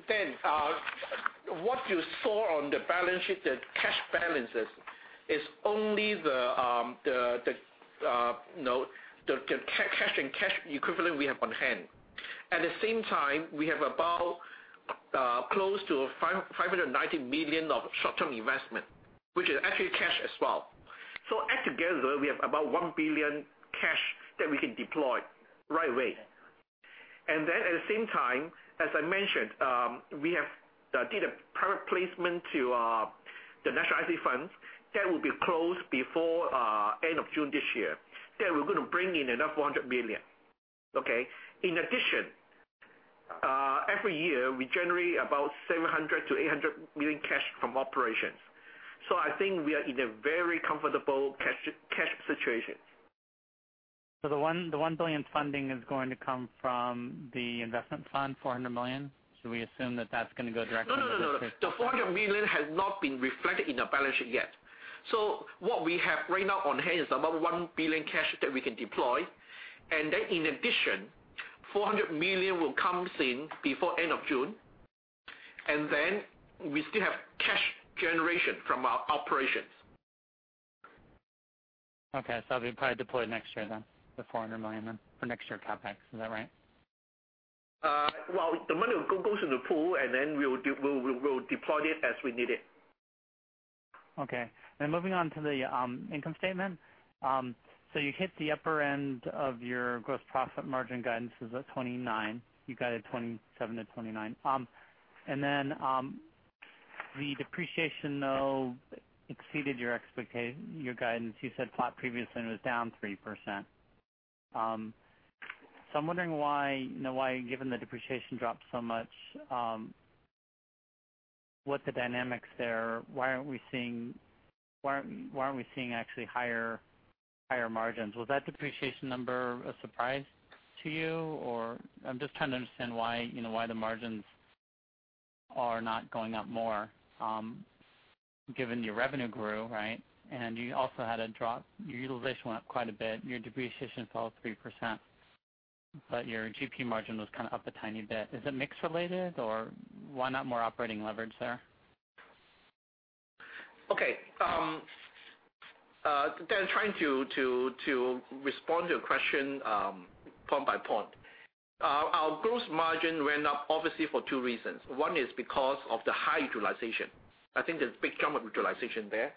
Dan, what you saw on the balance sheet, the cash balances is only the cash and cash equivalent we have on hand. At the same time, we have about close to $590 million of short-term investment, which is actually cash as well. Altogether, we have about $1 billion cash that we can deploy right away. At the same time, as I mentioned, we have did a private placement to the National IC Fund that will be closed before end of June this year. We're going to bring in another $400 million. Okay. In addition, every year we generate about $700 million-$800 million cash from operations. I think we are in a very comfortable cash situation. The $1 billion funding is going to come from the investment fund, $400 million. Should we assume that that's going to go directly? No. The $400 million has not been reflected in our balance sheet yet. What we have right now on hand is about $1 billion cash that we can deploy. In addition, $400 million will come in before end of June. We still have cash generation from our operations. Okay. That'll be probably deployed next year then, the $400 million then for next year CapEx. Is that right? Well, the money will go into the pool, then we will deploy it as we need it. Okay. Moving on to the income statement. You hit the upper end of your gross profit margin guidance is at 29%. You guided 27% to 29%. Then, the depreciation, though, exceeded your guidance. You said flat previously, and it was down 3%. I'm wondering why, given the depreciation dropped so much, what the dynamics there. Why aren't we seeing actually higher margins? Was that depreciation number a surprise to you? I'm just trying to understand why the margins are not going up more, given your revenue grew, right? You also had a drop. Your utilization went up quite a bit. Your depreciation fell 3%, but your GP margin was kind of up a tiny bit. Is it mix related, or why not more operating leverage there? Okay. Dan, trying to respond to your question point by point. Our gross margin went up obviously for two reasons. One is because of the high utilization. I think there's a big jump of utilization there.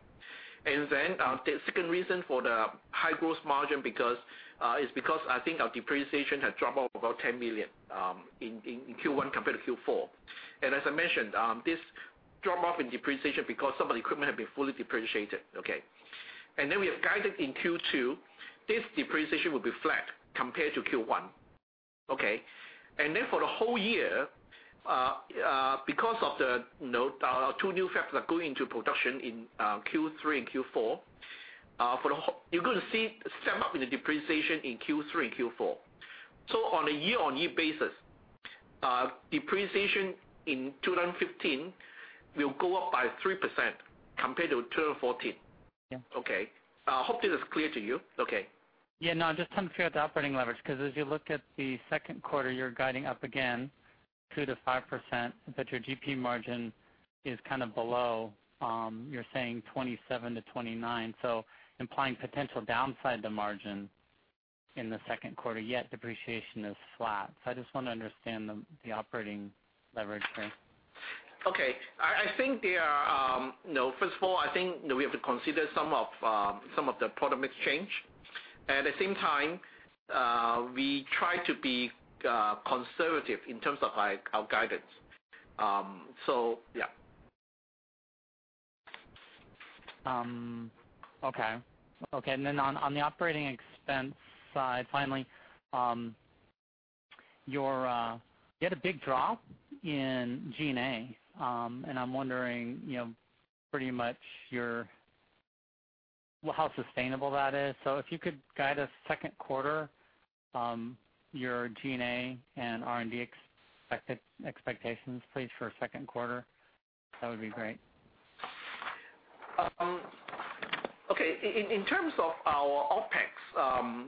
Then, the second reason for the high gross margin is because I think our depreciation has dropped off about $10 million in Q1 compared to Q4. As I mentioned, this drop-off in depreciation because some of the equipment have been fully depreciated. Okay. Then we have guided in Q2, this depreciation will be flat compared to Q1. Okay? Then for the whole year, because of our two new fabs that are going into production in Q3 and Q4, you're going to see a step-up in the depreciation in Q3 and Q4. On a year-on-year basis, depreciation in 2015 will go up by 3% compared to 2014. Yeah. Okay. I hope this is clear to you. Okay. Just trying to figure out the operating leverage, because as you look at the second quarter, you're guiding up again 2%-5%, but your GP margin is kind of below. You're saying 27%-29%, so implying potential downside to margin in the second quarter, yet depreciation is flat. I just want to understand the operating leverage there. First of all, I think we have to consider some of the product mix change. At the same time, we try to be conservative in terms of our guidance. On the operating expense side, finally, you had a big drop in G&A, and I'm wondering pretty much how sustainable that is. If you could guide us second quarter, your G&A and R&D expectations, please, for second quarter, that would be great. In terms of our OpEx,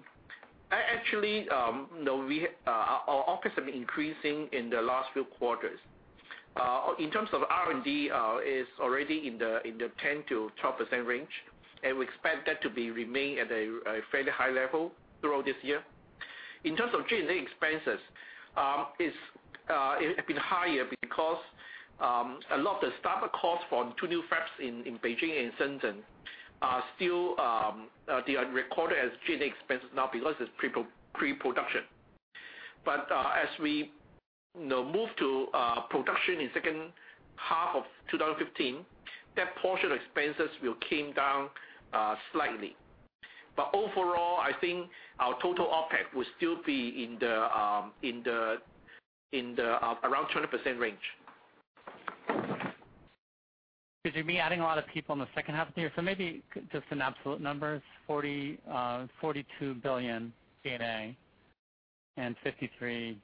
actually, our OpEx have been increasing in the last few quarters. In terms of R&D, is already in the 10%-12% range, and we expect that to remain at a fairly high level throughout this year. In terms of G&A expenses, it have been higher because a lot of the startup costs for the two new fabs in Beijing and Shenzhen are still recorded as G&A expenses now because it's pre-production. As we move to production in second half of 2015, that portion of expenses will come down slightly. Overall, I think our total OpEx will still be in the around 20% range. Because you'll be adding a lot of people in the second half of the year. Maybe just in absolute numbers, $42 million G&A and $53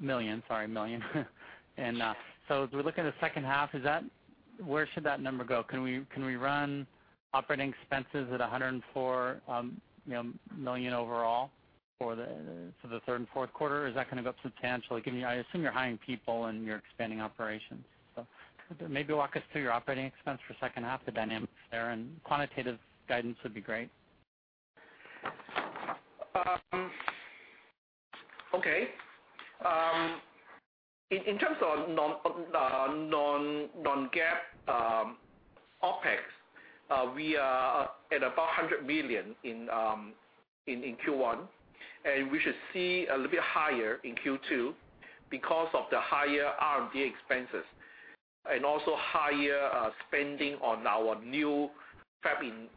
million. As we look at the second half, where should that number go? Can we run operating expenses at $104 million overall for the third and fourth quarter, or is that going to go up substantially? I assume you're hiring people and you're expanding operations. Maybe walk us through your operating expense for second half, the dynamics there, and quantitative guidance would be great. Okay. In terms of non-GAAP OpEx, we are at about $100 million in Q1, and we should see a little bit higher in Q2 because of the higher R&D expenses and also higher spending on our new fab in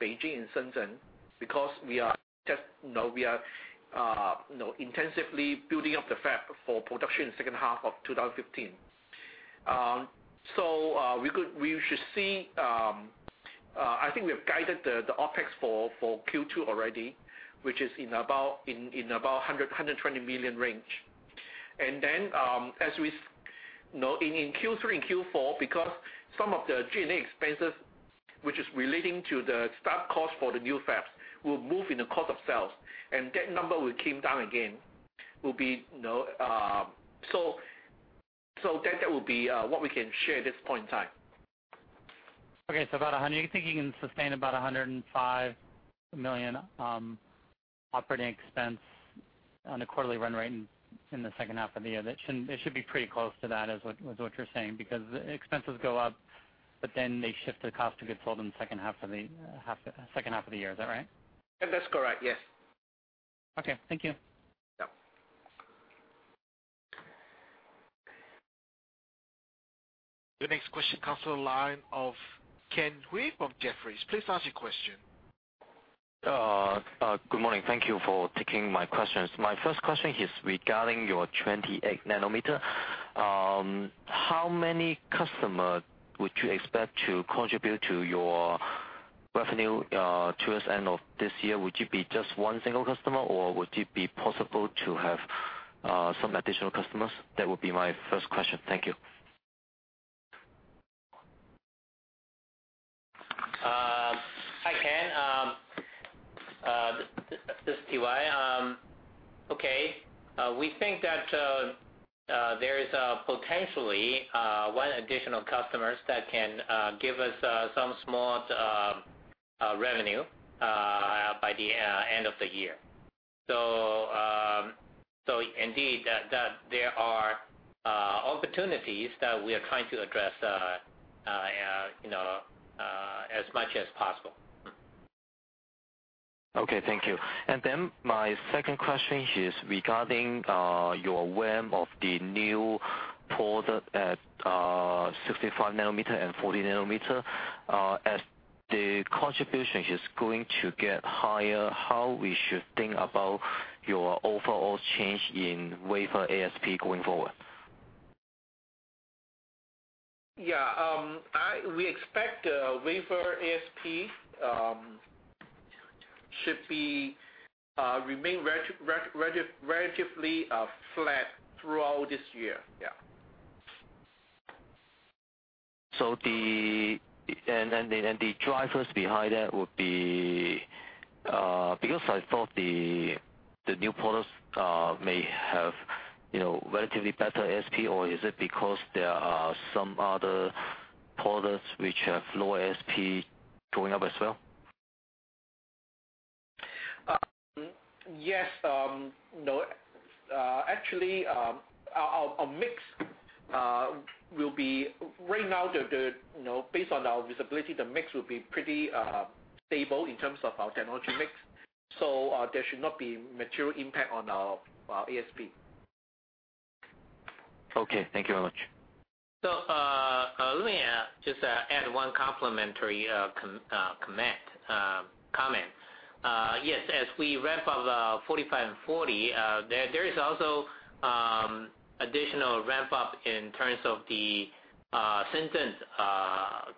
Beijing and Shenzhen, because we are intensively building up the fab for production in second half of 2015. I think we have guided the OpEx for Q2 already, which is in about $100 million-$120 million range. In Q3 and Q4, because some of the G&A expenses, which is relating to the start cost for the new fabs, will move in the cost of sales. That number will come down again. That will be what we can share at this point in time. You think you can sustain about $105 million operating expense on a quarterly run rate in the second half of the year. It should be pretty close to that, is what you're saying. Expenses go up, but then they shift the cost of goods sold in the second half of the year. Is that right? That's correct, yes. Okay. Thank you. Yeah. Your next question comes to the line of Ken Hui from Jefferies. Please ask your question. Good morning. Thank you for taking my questions. My first question is regarding your 28 nanometer. How many customer would you expect to contribute to your revenue towards end of this year? Would it be just one single customer, or would it be possible to have some additional customers? That would be my first question. Thank you. Hi, Ken. This is T.Y. Okay. We think that there is potentially one additional customers that can give us some small revenue by the end of the year. Indeed, there are opportunities that we are trying to address as much as possible. Okay. Thank you. My second question is regarding your ramp of the new product at 65 nanometer and 40 nanometer. As the contribution is going to get higher, how we should think about your overall change in wafer ASP going forward? We expect wafer ASP should remain relatively flat throughout this year. The drivers behind that would be, because I thought the new products may have relatively better ASP, or is it because there are some other products which have lower ASP going up as well? Yes. Actually, our mix, based on our visibility, the mix will be pretty stable in terms of our technology mix. There should not be material impact on our ASP. Okay. Thank you very much. Let me just add one complimentary comment. Yes, as we ramp up 45 and 40, there is also additional ramp up in terms of the Shenzhen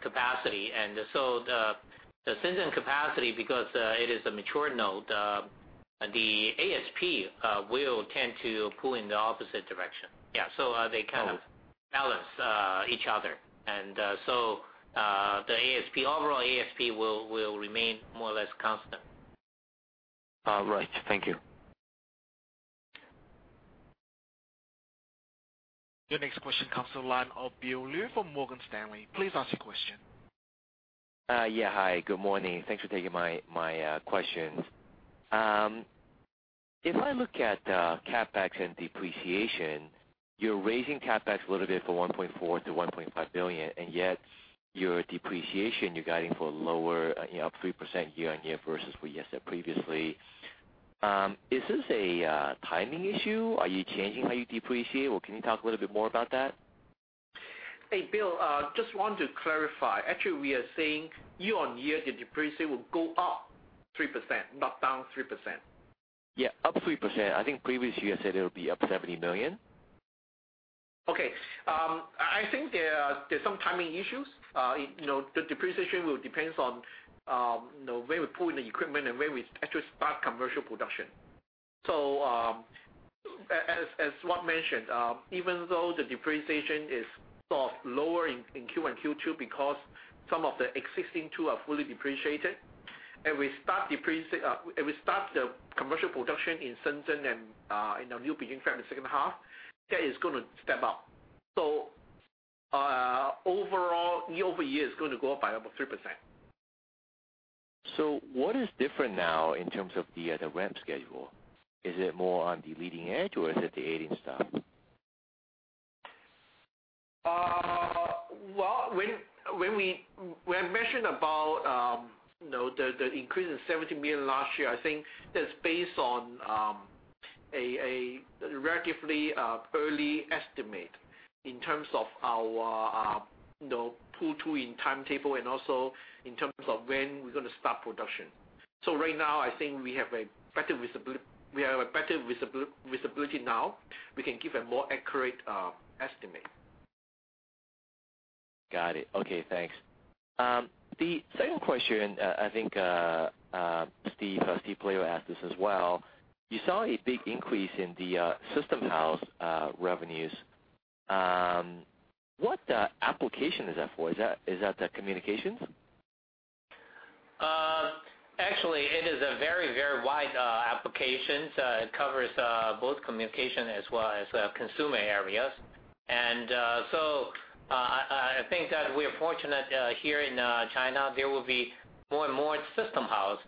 capacity. The Shenzhen capacity, because it is a mature node, the ASP will tend to pull in the opposite direction. Oh balance each other. The overall ASP will remain more or less constant. Right. Thank you. Your next question comes to the line of Bill Lu from Morgan Stanley. Please ask your question. Yeah, hi. Good morning. Thanks for taking my questions. If I look at CapEx and depreciation, you're raising CapEx a little bit from $1.4 billion-$1.5 billion, and yet your depreciation, you're guiding for up 3% year-on-year versus what you had said previously. Is this a timing issue? Are you changing how you depreciate, or can you talk a little bit more about that? Hey, Bill, just want to clarify. Actually, we are saying year-on-year, the depreciation will go up 3%, not down 3%. Yeah, up 3%. I think previously you said it'll be up $70 million. Okay. I think there are some timing issues. The depreciation will depend on where we put the equipment and where we actually start commercial production. as Gareth mentioned, even though the depreciation is sort of lower in Q1 and Q2 because some of the existing two are fully depreciated, and we start the commercial production in Shenzhen and in our new Beijing fab in the second half, that is going to step up. Overall, year-over-year is going to go up by about 3%. What is different now in terms of the ramp schedule? Is it more on the leading edge or is it the aging stuff? Well, when we mentioned about the increase in $70 million last year, I think that's based on a relatively early estimate in terms of our pull-through in timetable and also in terms of when we're going to start production. Right now, I think we have a better visibility now. We can give a more accurate estimate. Got it. Okay, thanks. The second question, I think Steven Pelayo asked this as well. You saw a big increase in the system house revenues. What application is that for? Is that the communications? Actually, it is a very wide application. It covers both communication as well as consumer areas. I think that we are fortunate here in China, there will be more and more system house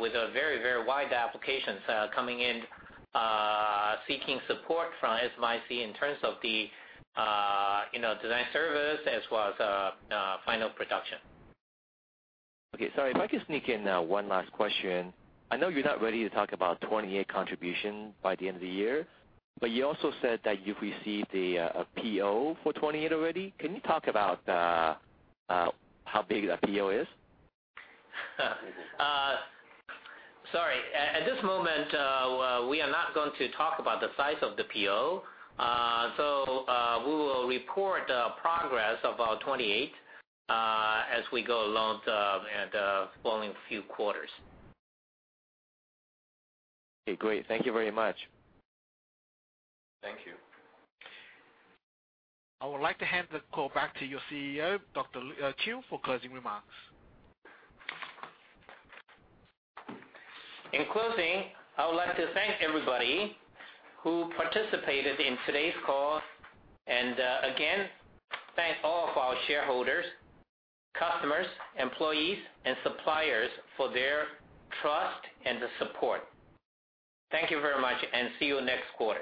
with a very wide applications coming in, seeking support from SMIC in terms of the design service as well as final production. Okay, sorry. If I could sneak in one last question. I know you're not ready to talk about 28 contribution by the end of the year, but you also said that you've received a PO for 28 already. Can you talk about how big that PO is? Sorry. At this moment, we are not going to talk about the size of the PO. We will report progress about 28 as we go along in following few quarters. Okay, great. Thank you very much. Thank you. I would like to hand the call back to your CEO, Dr. Chiu, for closing remarks. In closing, I would like to thank everybody who participated in today's call and, again, thank all of our shareholders, customers, employees, and suppliers for their trust and the support. Thank you very much, and see you next quarter.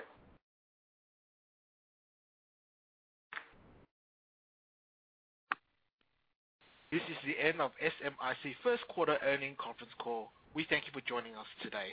This is the end of SMIC first quarter earnings conference call. We thank you for joining us today.